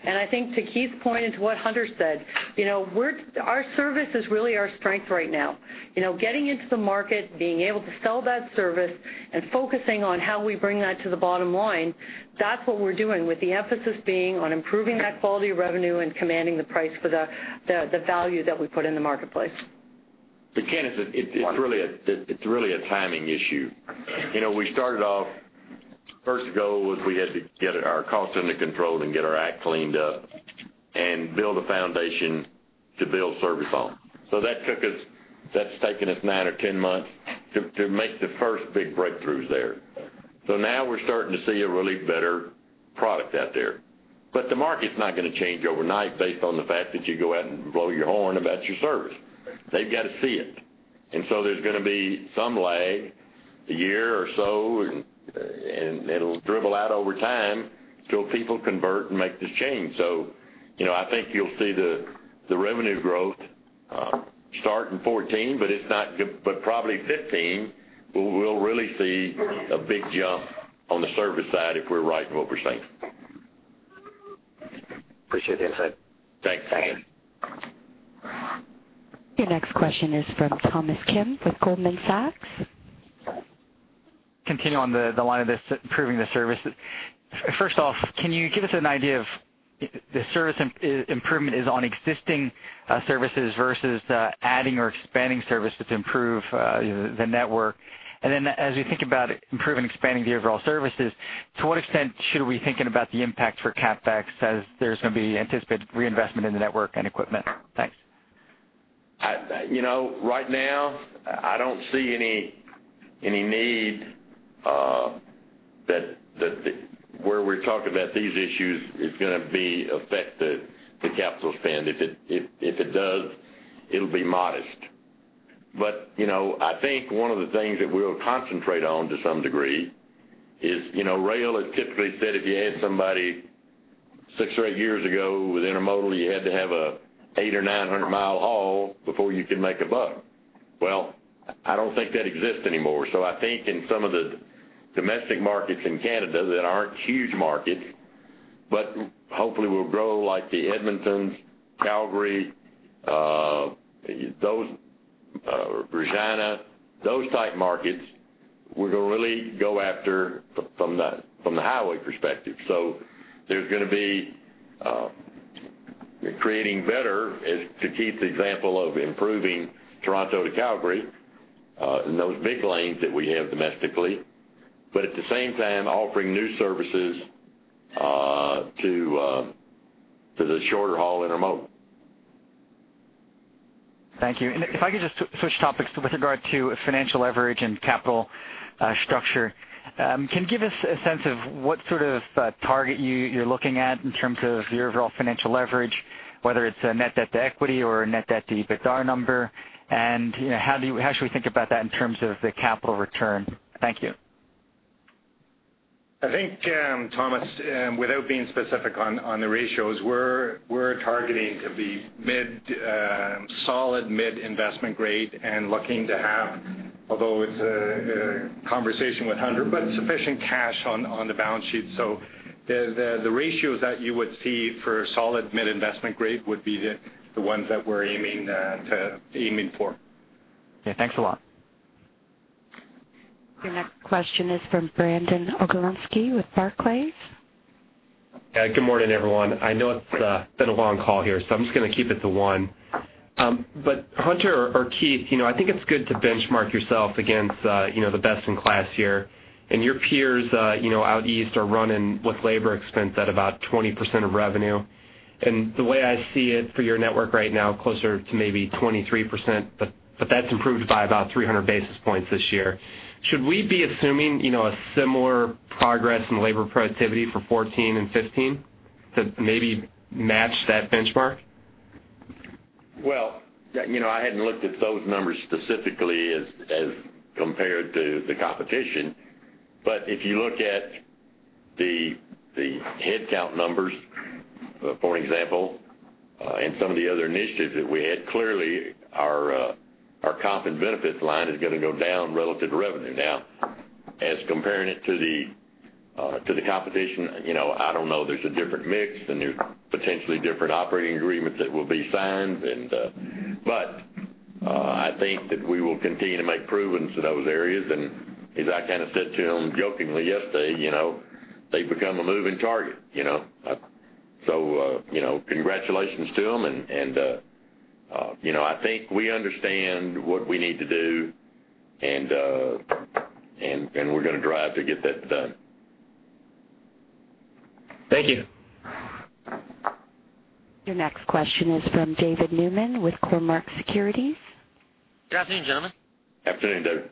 And I think to Keith's point, and to what Hunter said, you know, we're our service is really our strength right now. You know, getting into the market, being able to sell that service, and focusing on how we bring that to the bottom line, that's what we're doing, with the emphasis being on improving that quality of revenue and commanding the price for the value that we put in the marketplace.
But Ken, it's really a timing issue. You know, we started off, first goal was we had to get our costs under control and get our act cleaned up and build a foundation to build service on. So that took us. That's taken us nine or 10 months to make the first big breakthroughs there. So now we're starting to see a really better product out there. But the market's not going to change overnight based on the fact that you go out and blow your horn about your service. They've got to see it. And so there's going to be some lag, a year or so, and it'll dribble out over time till people convert and make this change. So, you know, I think you'll see the revenue growth start in 2014, but it's not... But probably 2015, we'll really see a big jump on the service side if we're right in what we're saying.
Appreciate the insight.
Thanks, Ken.
Your next question is from Thomas Kim with Goldman Sachs.
Continue on the line of this improving the service. First off, can you give us an idea of the service improvement on existing services versus adding or expanding services to improve the network? And then as you think about improving, expanding the overall services, to what extent should we be thinking about the impact for CapEx as there's going to be anticipated reinvestment in the network and equipment? Thanks.
You know, right now, I don't see any need where we're talking about these issues is going to be affected [by] the capital spend. If it does, it'll be modest. But you know, I think one of the things that we'll concentrate on to some degree is, you know, rail is typically said, if you had somebody 6 or 8 years ago with intermodal, you had to have an 800- or 900-mile haul before you could make a buck. Well, I don't think that exists anymore. So I think in some of the domestic markets in Canada that aren't huge markets, but hopefully will grow like the Edmontons, Calgary, those, Regina, those type markets, we're going to really go after from the highway perspective. So there's going to be creating better, as to keep the example of improving Toronto to Calgary, and those big lanes that we have domestically, but at the same time, offering new services to the shorter haul intermodal.
Thank you. If I could just switch topics with regard to financial leverage and capital structure. Can you give us a sense of what sort of target you, you're looking at in terms of your overall financial leverage, whether it's a net debt to equity or a net debt to EBITDA number? And, you know, how should we think about that in terms of the capital return? Thank you.
I think, Thomas, without being specific on the ratios, we're targeting to be solid mid investment grade and looking to have, although it's a conversation with Hunter, but sufficient cash on the balance sheet. So the ratios that you would see for solid mid-investment grade would be the ones that we're aiming to.
Yeah, thanks a lot.
Your next question is from Brandon Oglenski with Barclays.
Yeah, good morning, everyone. I know it's been a long call here, so I'm just gonna keep it to one. But Hunter or Keith, you know, I think it's good to benchmark yourself against the best-in-class here. And your peers out east are running with labor expense at about 20% of revenue. And the way I see it for your network right now, closer to maybe 23%, but that's improved by about 300 basis points this year. Should we be assuming, you know, a similar progress in labor productivity for 2014 and 2015, to maybe match that benchmark?
Well, you know, I hadn't looked at those numbers specifically as compared to the competition. But if you look at the headcount numbers, for example, and some of the other initiatives that we had, clearly, our comp and benefits line is going to go down relative to revenue. Now, as comparing it to the competition, you know, I don't know, there's a different mix, and there's potentially different operating agreements that will be signed. But I think that we will continue to make improvements to those areas. And as I kind of said to them jokingly yesterday, you know, they've become a moving target, you know? So, you know, congratulations to them, and you know, I think we understand what we need to do, and we're going to drive to get that done.
Thank you.
Your next question is from David Newman with Cormark Securities.
Good afternoon, gentlemen.
Afternoon, David.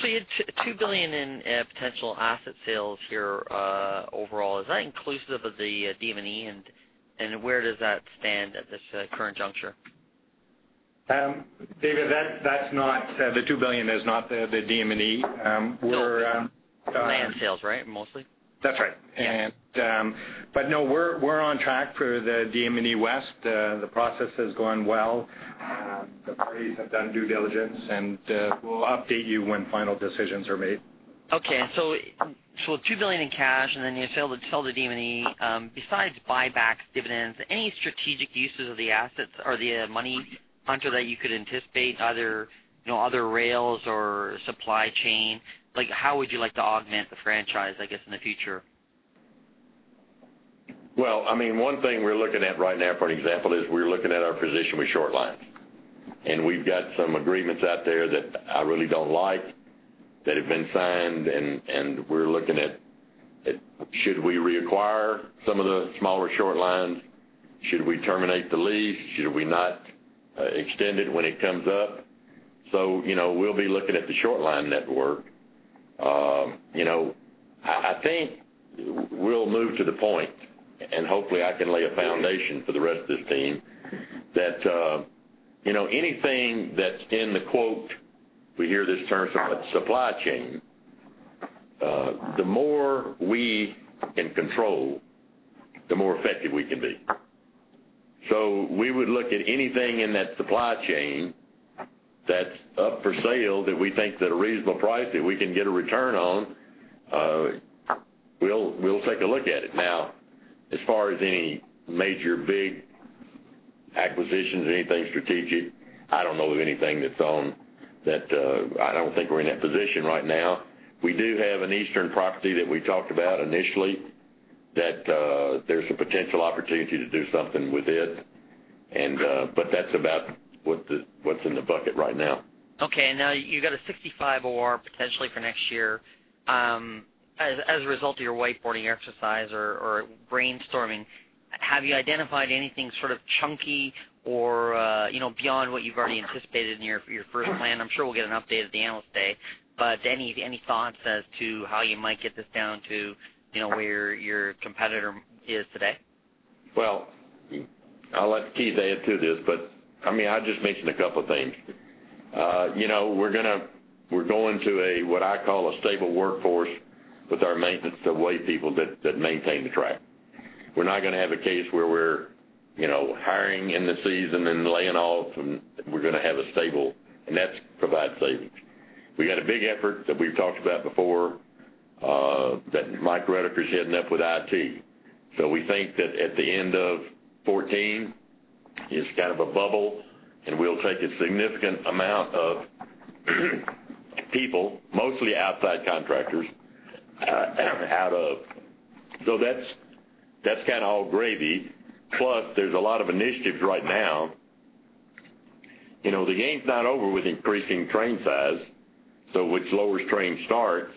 So you had CAD 2, 2 billion in potential asset sales here overall. Is that inclusive of the DM&E, and where does that stand at this current juncture?
David, that's not. The 2 billion is not the DM&E. We're-
Land sales, right, mostly?
That's right.
Yeah.
But no, we're on track for the DM&E West. The process is going well. The parties have done due diligence, and we'll update you when final decisions are made.
Okay, so two billion in cash, and then you sell the DM&E. Besides buybacks, dividends, any strategic uses of the assets or the money, Hunter, that you could anticipate, other, you know, other rails or supply chain? Like, how would you like to augment the franchise, I guess, in the future?
Well, I mean, one thing we're looking at right now, for example, is we're looking at our position with short lines. And we've got some agreements out there that I really don't like, that have been signed and we're looking at should we reacquire some of the smaller short lines? Should we terminate the lease? Should we not extend it when it comes up? So, you know, we'll be looking at the short line network. You know, I think we'll move to the point, and hopefully I can lay a foundation for the rest of the team, that you know, anything that's in the quote, we hear this term somewhat, supply chain, the more we can control, the more effective we can be. So we would look at anything in that supply chain that's up for sale that we think at a reasonable price, that we can get a return on. We'll take a look at it. Now, as far as any major big acquisitions, anything strategic, I don't know of anything. I don't think we're in that position right now. We do have an Eastern property that we talked about initially, that there's a potential opportunity to do something with it. But that's about what's in the bucket right now.
Okay, now you've got a 65 OR potentially for next year. As a result of your whiteboarding exercise or brainstorming, have you identified anything sort of chunky or, you know, beyond what you've already anticipated in your first plan? I'm sure we'll get an update at the Analyst Day, but any thoughts as to how you might get this down to, you know, where your competitor is today?
Well, I'll let Keith add to this, but, I mean, I'll just mention a couple of things. You know, we're gonna, we're going to a, what I call a stable workforce with our maintenance, the way people that, that maintain the track. We're not gonna have a case where we're, you know, hiring in the season and laying off, and we're gonna have a stable, and that's provide savings. We had a big effort that we've talked about before, that Mike Redeker is heading up with IT. So we think that at the end of 2014, it's kind of a bubble, and we'll take a significant amount of people, mostly outside contractors, out of... So that's, that's kind of all gravy. Plus, there's a lot of initiatives right now. You know, the game's not over with increasing train size, so which lowers train starts.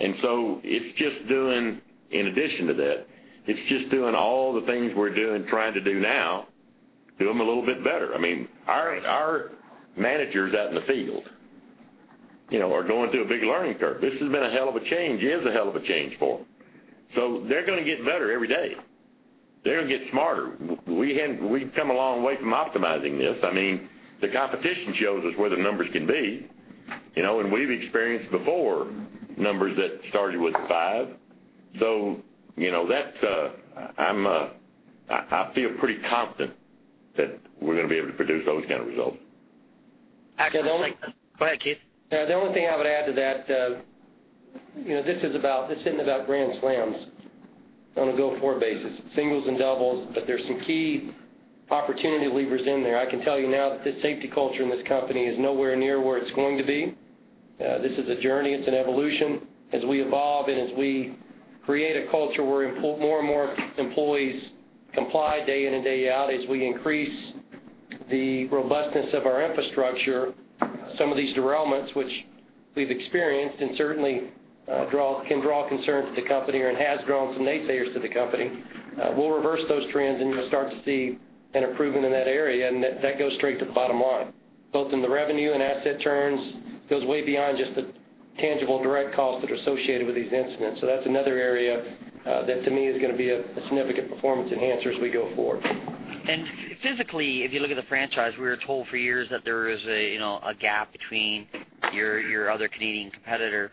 And so it's just doing, in addition to that, it's just doing all the things we're doing, trying to do now, do them a little bit better. I mean, our managers out in the field, you know, are going through a big learning curve. This has been a hell of a change, is a hell of a change for them. So they're gonna get better every day. They're gonna get smarter. We've come a long way from optimizing this. I mean, the competition shows us where the numbers can be, you know, and we've experienced before numbers that started with five. So, you know, that's, I'm, I feel pretty confident that we're gonna be able to produce those kind of results.
Excellent. Go ahead, Keith.
Yeah, the only thing I would add to that, you know, this is about, this isn't about grand slams on a go-forward basis, singles and doubles, but there's some key opportunity levers in there. I can tell you now that the safety culture in this company is nowhere near where it's going to be. This is a journey. It's an evolution. As we evolve and as we create a culture where more and more employees comply day in and day out, as we increase the robustness of our infrastructure, some of these derailments, which we've experienced and certainly, can draw concern to the company or and has drawn some naysayers to the company, we'll reverse those trends, and you'll start to see an improvement in that area, and that, that goes straight to the bottom line, both in the revenue and asset turns. It goes way beyond just the tangible direct costs that are associated with these incidents. So that's another area that to me is gonna be a significant performance enhancer as we go forward.
Physically, if you look at the franchise, we were told for years that there is a, you know, a gap between your other Canadian competitor,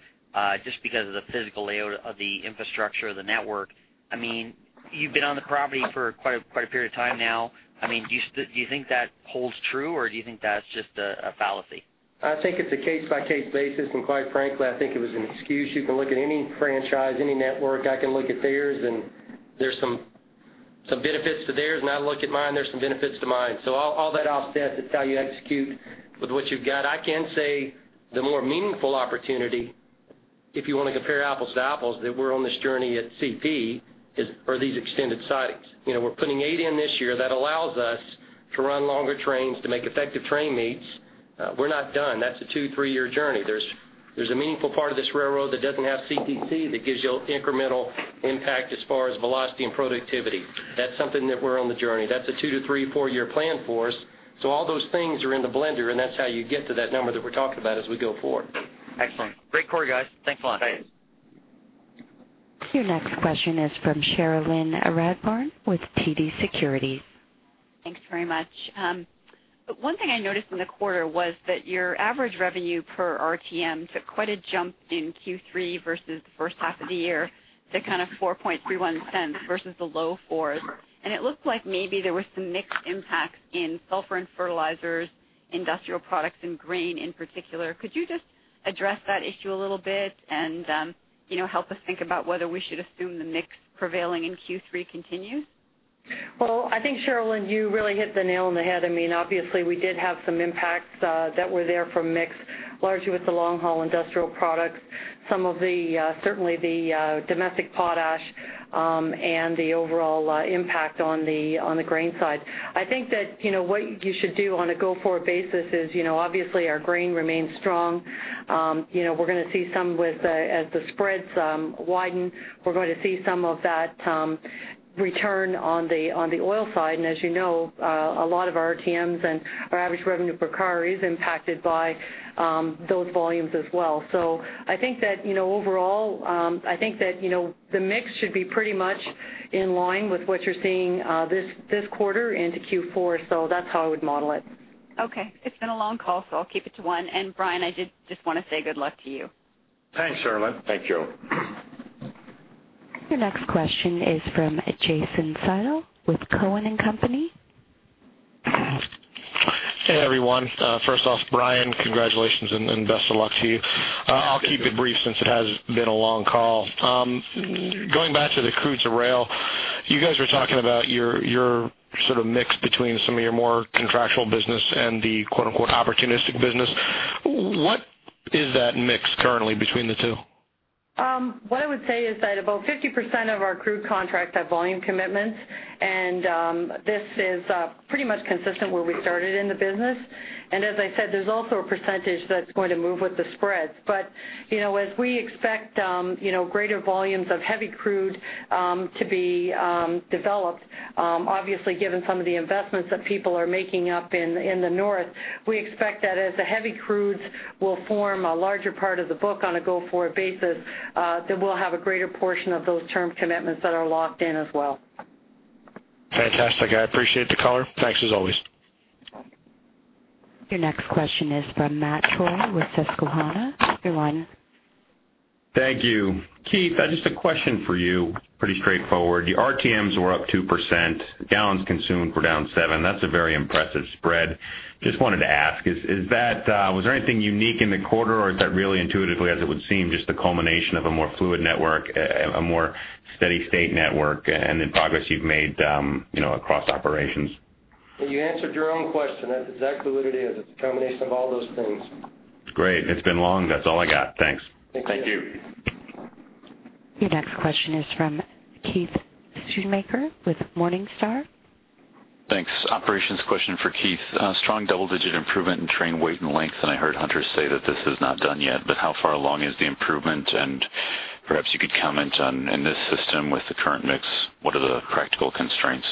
just because of the physical layout of the infrastructure of the network. I mean, you've been on the property for quite a period of time now. I mean, do you still think that holds true, or do you think that's just a fallacy?
I think it's a case-by-case basis, and quite frankly, I think it was an excuse. You can look at any franchise, any network. I can look at theirs, and there's some benefits to theirs, and I look at mine, there's some benefits to mine. So all that offsets, it's how you execute with what you've got. I can say the more meaningful opportunity, if you want to compare apples to apples, that we're on this journey at CP, is are these extended sidings. You know, we're putting eight in this year. That allows us to run longer trains to make effective train meets. We're not done. That's a 2-3-year journey. There's a meaningful part of this railroad that doesn't have CTC, that gives you incremental impact as far as velocity and productivity. That's something that we're on the journey. That's a 2- to 3- or 4-year plan for us. So all those things are in the blender, and that's how you get to that number that we're talking about as we go forward.
Excellent. Great quarter, guys. Thanks a lot.
Thanks.
Your next question is from Cherilyn Radbourne with TD Securities.
Thanks very much. One thing I noticed in the quarter was that your average revenue per RTM took quite a jump in Q3 versus the first half of the year, to kind of $0.0431 versus the low $0.04s. It looked like maybe there were some mixed impacts in sulfur and fertilizers, industrial products and grain in particular. Could you just address that issue a little bit and, you know, help us think about whether we should assume the mix prevailing in Q3 continues?
Well, I think, Cherilyn, you really hit the nail on the head. I mean, obviously, we did have some impacts that were there from mix, largely with the long-haul industrial products, some of the certainly the domestic potash, and the overall impact on the grain side. I think that, you know, what you should do on a go-forward basis is, you know, obviously, our grain remains strong. You know, we're gonna see some with as the spreads widen, we're going to see some of that return on the oil side. And as you know, a lot of our RTMs and our average revenue per car is impacted by those volumes as well. So I think that, you know, overall, I think that, you know, the mix should be pretty much in line with what you're seeing, this quarter into Q4. So that's how I would model it.
Okay, it's been a long call, so I'll keep it to one. Brian, I did just want to say good luck to you.
Thanks, Cherilyn. Thank you.
Your next question is from Jason Seidl with Cowen and Company.
Hey, everyone. First off, Brian, congratulations and best of luck to you. I'll keep it brief since it has been a long call. Going back to the crude rail, you guys were talking about your sort of mix between some of your more contractual business and the, quote, unquote, "opportunistic business." What is that mix currently between the two?
What I would say is that about 50% of our crude contracts have volume commitments, and this is pretty much consistent where we started in the business. And as I said, there's also a percentage that's going to move with the spreads. But, you know, as we expect, you know, greater volumes of heavy crude to be developed, obviously, given some of the investments that people are making up in the north, we expect that as the heavy crudes will form a larger part of the book on a go-forward basis, then we'll have a greater portion of those term commitments that are locked in as well.
Fantastic. I appreciate the color. Thanks, as always.
Your next question is from Matt Troy with Susquehanna. Your line.
Thank you. Keith, just a question for you, pretty straightforward. The RTMs were up 2%. Gallons consumed were down 7%. That's a very impressive spread. Just wanted to ask, is that... Was there anything unique in the quarter, or is that really intuitively, as it would seem, just the culmination of a more fluid network, a more steady state network and the progress you've made, you know, across operations?
You answered your own question. That's exactly what it is. It's a combination of all those things.
It's great. It's been long. That's all I got. Thanks.
Thank you.
Thank you.
Your next question is from Keith Schoonmaker with Morningstar.
Thanks. Operations question for Keith. Strong double-digit improvement in train weight and length, and I heard Hunter say that this is not done yet, but how far along is the improvement? And perhaps you could comment on, in this system with the current mix, what are the practical constraints?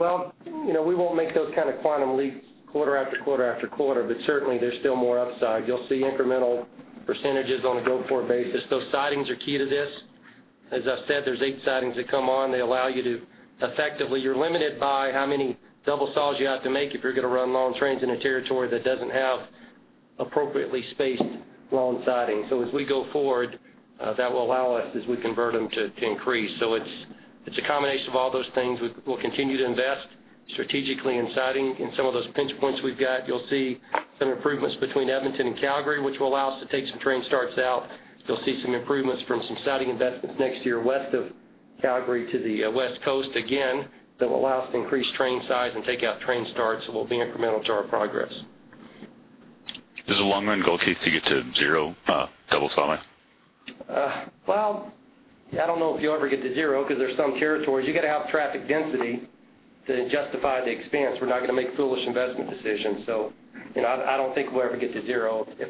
Well, you know, we won't make those kind of quantum leaps quarter after quarter after quarter, but certainly there's still more upside. You'll see incremental percentages on a go-forward basis. Those sidings are key to this. As I said, there's eight sidings that come on. They allow you to—effectively, you're limited by how many double saws you have to make if you're going to run long trains in a territory that doesn't have appropriately spaced long sidings. So as we go forward, that will allow us, as we convert them, to increase. So it's a combination of all those things. We'll continue to invest strategically in siding. In some of those pinch points we've got, you'll see some improvements between Edmonton and Calgary, which will allow us to take some train starts out. You'll see some improvements from some siding investments next year, west of Calgary to the West Coast. Again, that will allow us to increase train size and take out train starts, so we'll be incremental to our progress.
Is the long-run goal, Keith, to get to zero double saws?
Well, I don't know if you'll ever get to zero because there's some territories, you got to have traffic density to justify the expense. We're not going to make foolish investment decisions. So, you know, I don't think we'll ever get to zero if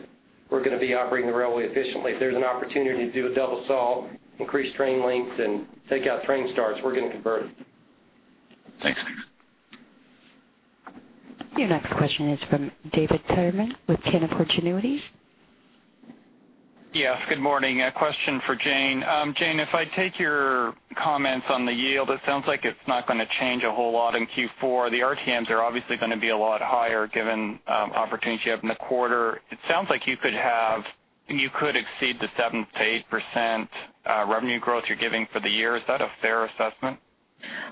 we're going to be operating the railway efficiently. If there's an opportunity to do a double saw, increase train lengths, and take out train starts, we're going to convert it.
Thanks, Keith.
Your next question is from David Tyerman with Canaccord Genuity.
Yes, good morning. A question for Jane. Jane, if I take your comments on the yield, it sounds like it's not going to change a whole lot in Q4. The RTMs are obviously going to be a lot higher, given opportunities you have in the quarter. It sounds like you could exceed the 7%-8% revenue growth you're giving for the year. Is that a fair assessment?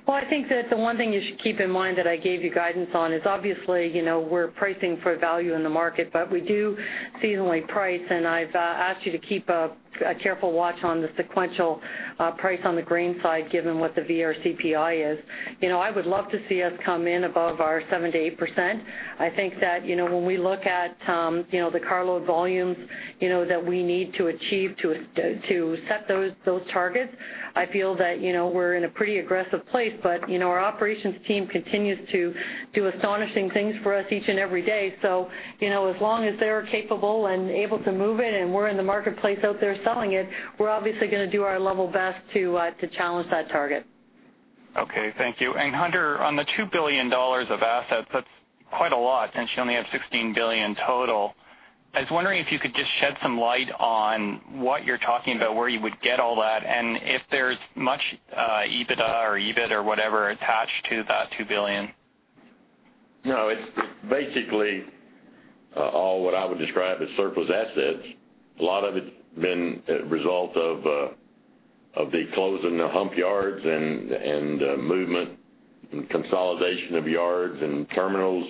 Well, I think that the one thing you should keep in mind that I gave you guidance on is, obviously, you know, we're pricing for value in the market, but we do seasonally price, and I've asked you to keep a careful watch on the sequential price on the grain side, given what the VRCPI is. You know, I would love to see us come in above our 7%-8%. I think that, you know, when we look at, you know, the carload volumes, you know, that we need to achieve to set those targets, I feel that, you know, we're in a pretty aggressive place. But, you know, our operations team continues to do astonishing things for us each and every day. You know, as long as they're capable and able to move it, and we're in the marketplace out there selling it, we're obviously going to do our level best to challenge that target.
Okay, thank you. And Hunter, on the 2 billion dollars of assets, that's quite a lot, and you only have 16 billion total. I was wondering if you could just shed some light on what you're talking about, where you would get all that, and if there's much EBITDA or EBIT or whatever attached to that 2 billion.
No, it's, it's basically all what I would describe as surplus assets. A lot of it's been a result of of the closing the hump yards and movement and consolidation of yards and terminals,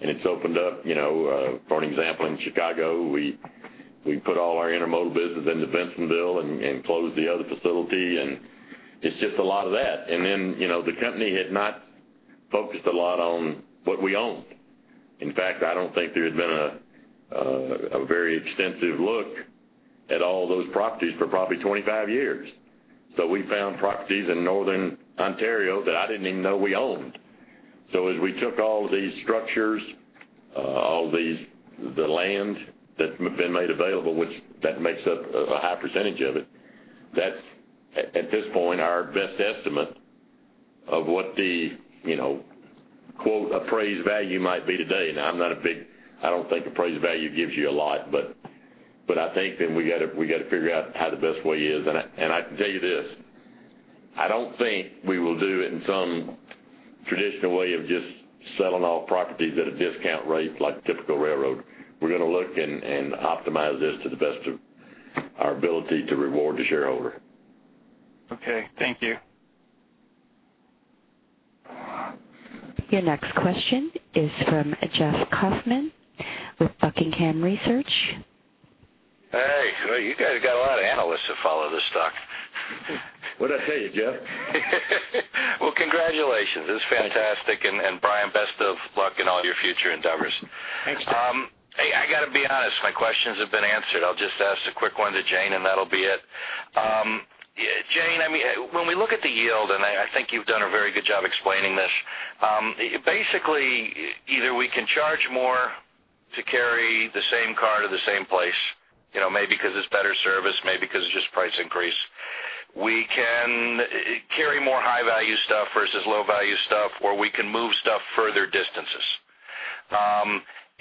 and it's opened up, you know... For an example, in Chicago, we, we put all our intermodal business into Bensenville and closed the other facility, and it's just a lot of that. And then, you know, the company had not focused a lot on what we owned. In fact, I don't think there had been a very extensive look at all those properties for probably 25 years. So we found properties in Northern Ontario that I didn't even know we owned. So as we took all these structures, all these, the land that's been made available, which that makes up a high percentage of it, that's, at, at this point, our best estimate of what the, you know, quote, "appraised value" might be today. Now, I'm not a big-- I don't think appraised value gives you a lot, but, but I think that we got to, we got to figure out how the best way is. And I, and I can tell you this, I don't think we will do it in some traditional way of just selling off properties at a discount rate like a typical railroad. We're going to look and, and optimize this to the best of our ability to reward the shareholder.
Okay, thank you.
Your next question is from Jeff Kauffman with Buckingham Research.
Hey, well, you guys got a lot of analysts that follow this stock.
What'd I tell you, Jeff?
Well, congratulations. This is fantastic, and Brian, best of luck in all your future endeavors.
Thanks, Jeff.
Hey, I got to be honest, my questions have been answered. I'll just ask a quick one to Jane, and that'll be it. Jane, I mean, when we look at the yield, and I think you've done a very good job explaining this, basically, either we can charge more to carry the same car to the same place, you know, maybe because it's better service, maybe because it's just price increase. We can carry more high-value stuff versus low-value stuff, or we can move stuff further distances.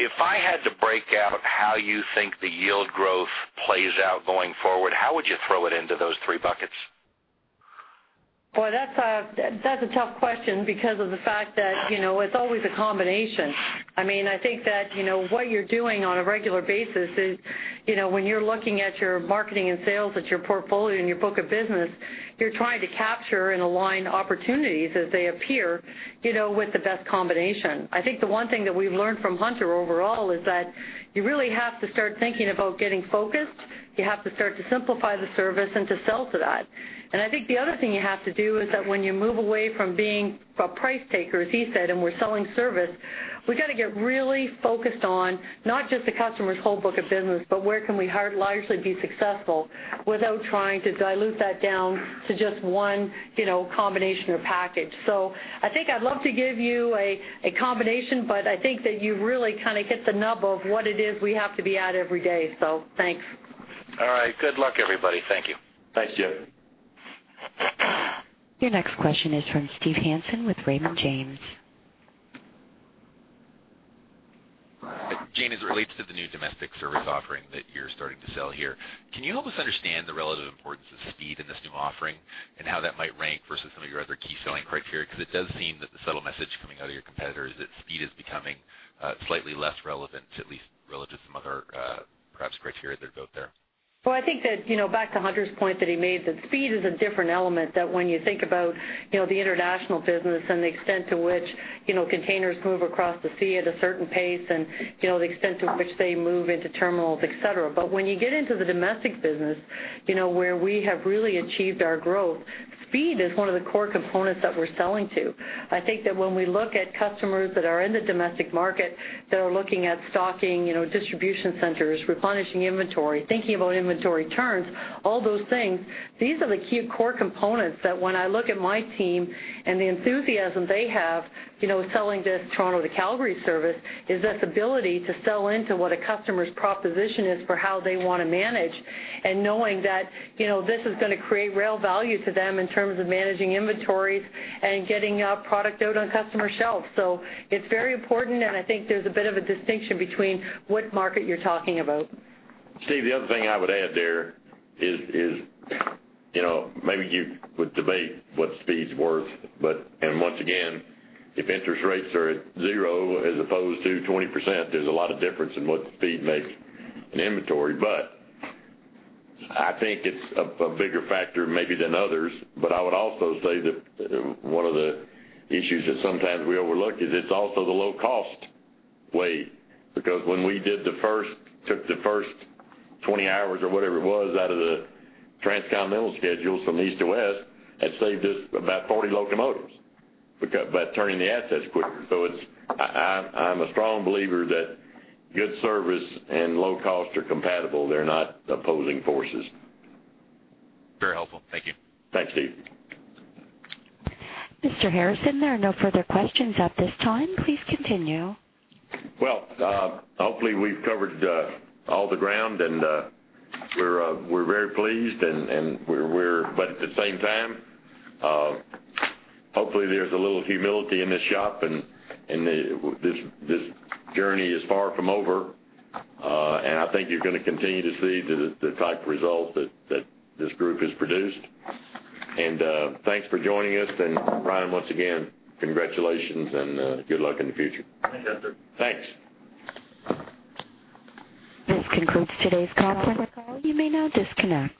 If I had to break out how you think the yield growth plays out going forward, how would you throw it into those three buckets?
Boy, that's a, that's a tough question because of the fact that, you know, it's always a combination. I mean, I think that, you know, what you're doing on a regular basis is, you know, when you're looking at your marketing and sales, at your portfolio and your book of business, you're trying to capture and align opportunities as they appear, you know, with the best combination. I think the one thing that we've learned from Hunter overall is that you really have to start thinking about getting focused-... you have to start to simplify the service and to sell to that. I think the other thing you have to do is that when you move away from being a price taker, as he said, and we're selling service, we've got to get really focused on not just the customer's whole book of business, but where can we hard largely be successful without trying to dilute that down to just one, you know, combination or package. I think I'd love to give you a combination, but I think that you really kind of hit the nub of what it is we have to be at every day. Thanks.
All right. Good luck, everybody. Thank you.
Thanks, Jeff.
Your next question is from Steve Hansen with Raymond James.
Jane, as it relates to the new domestic service offering that you're starting to sell here, can you help us understand the relative importance of speed in this new offering and how that might rank versus some of your other key selling criteria? Because it does seem that the subtle message coming out of your competitor is that speed is becoming, slightly less relevant, to at least relative to some other, perhaps, criteria that are out there.
Well, I think that, you know, back to Hunter's point that he made, that speed is a different element, that when you think about, you know, the international business and the extent to which, you know, containers move across the sea at a certain pace and, you know, the extent to which they move into terminals, et cetera. But when you get into the domestic business, you know, where we have really achieved our growth, speed is one of the core components that we're selling to. I think that when we look at customers that are in the domestic market, that are looking at stocking, you know, distribution centers, replenishing inventory, thinking about inventory turns, all those things, these are the key core components that when I look at my team and the enthusiasm they have, you know, selling this Toronto to Calgary service, is this ability to sell into what a customer's proposition is for how they want to manage, and knowing that, you know, this is going to create real value to them in terms of managing inventories and getting product out on customer shelves. So it's very important, and I think there's a bit of a distinction between what market you're talking about.
Steve, the other thing I would add there is, you know, maybe you would debate what speed's worth, but and once again, if interest rates are at zero as opposed to 20%, there's a lot of difference in what speed makes in inventory. But I think it's a bigger factor maybe than others. But I would also say that one of the issues that sometimes we overlook is it's also the low-cost way, because when we took the first 20 hours or whatever it was out of the transcontinental schedules from east to west, that saved us about 40 locomotives, because by turning the assets quicker. So it's. I'm a strong believer that good service and low cost are compatible. They're not opposing forces.
Very helpful. Thank you.
Thanks, Steve.
Mr. Harrison, there are no further questions at this time. Please continue.
Well, hopefully, we've covered all the ground, and we're very pleased, and we're... But at the same time, hopefully, there's a little humility in this shop, and this journey is far from over. And I think you're going to continue to see the type of results that this group has produced. And, thanks for joining us. And Brian, once again, congratulations and good luck in the future.
Thanks, Hunter.
Thanks.
This concludes today's conference call. You may now disconnect.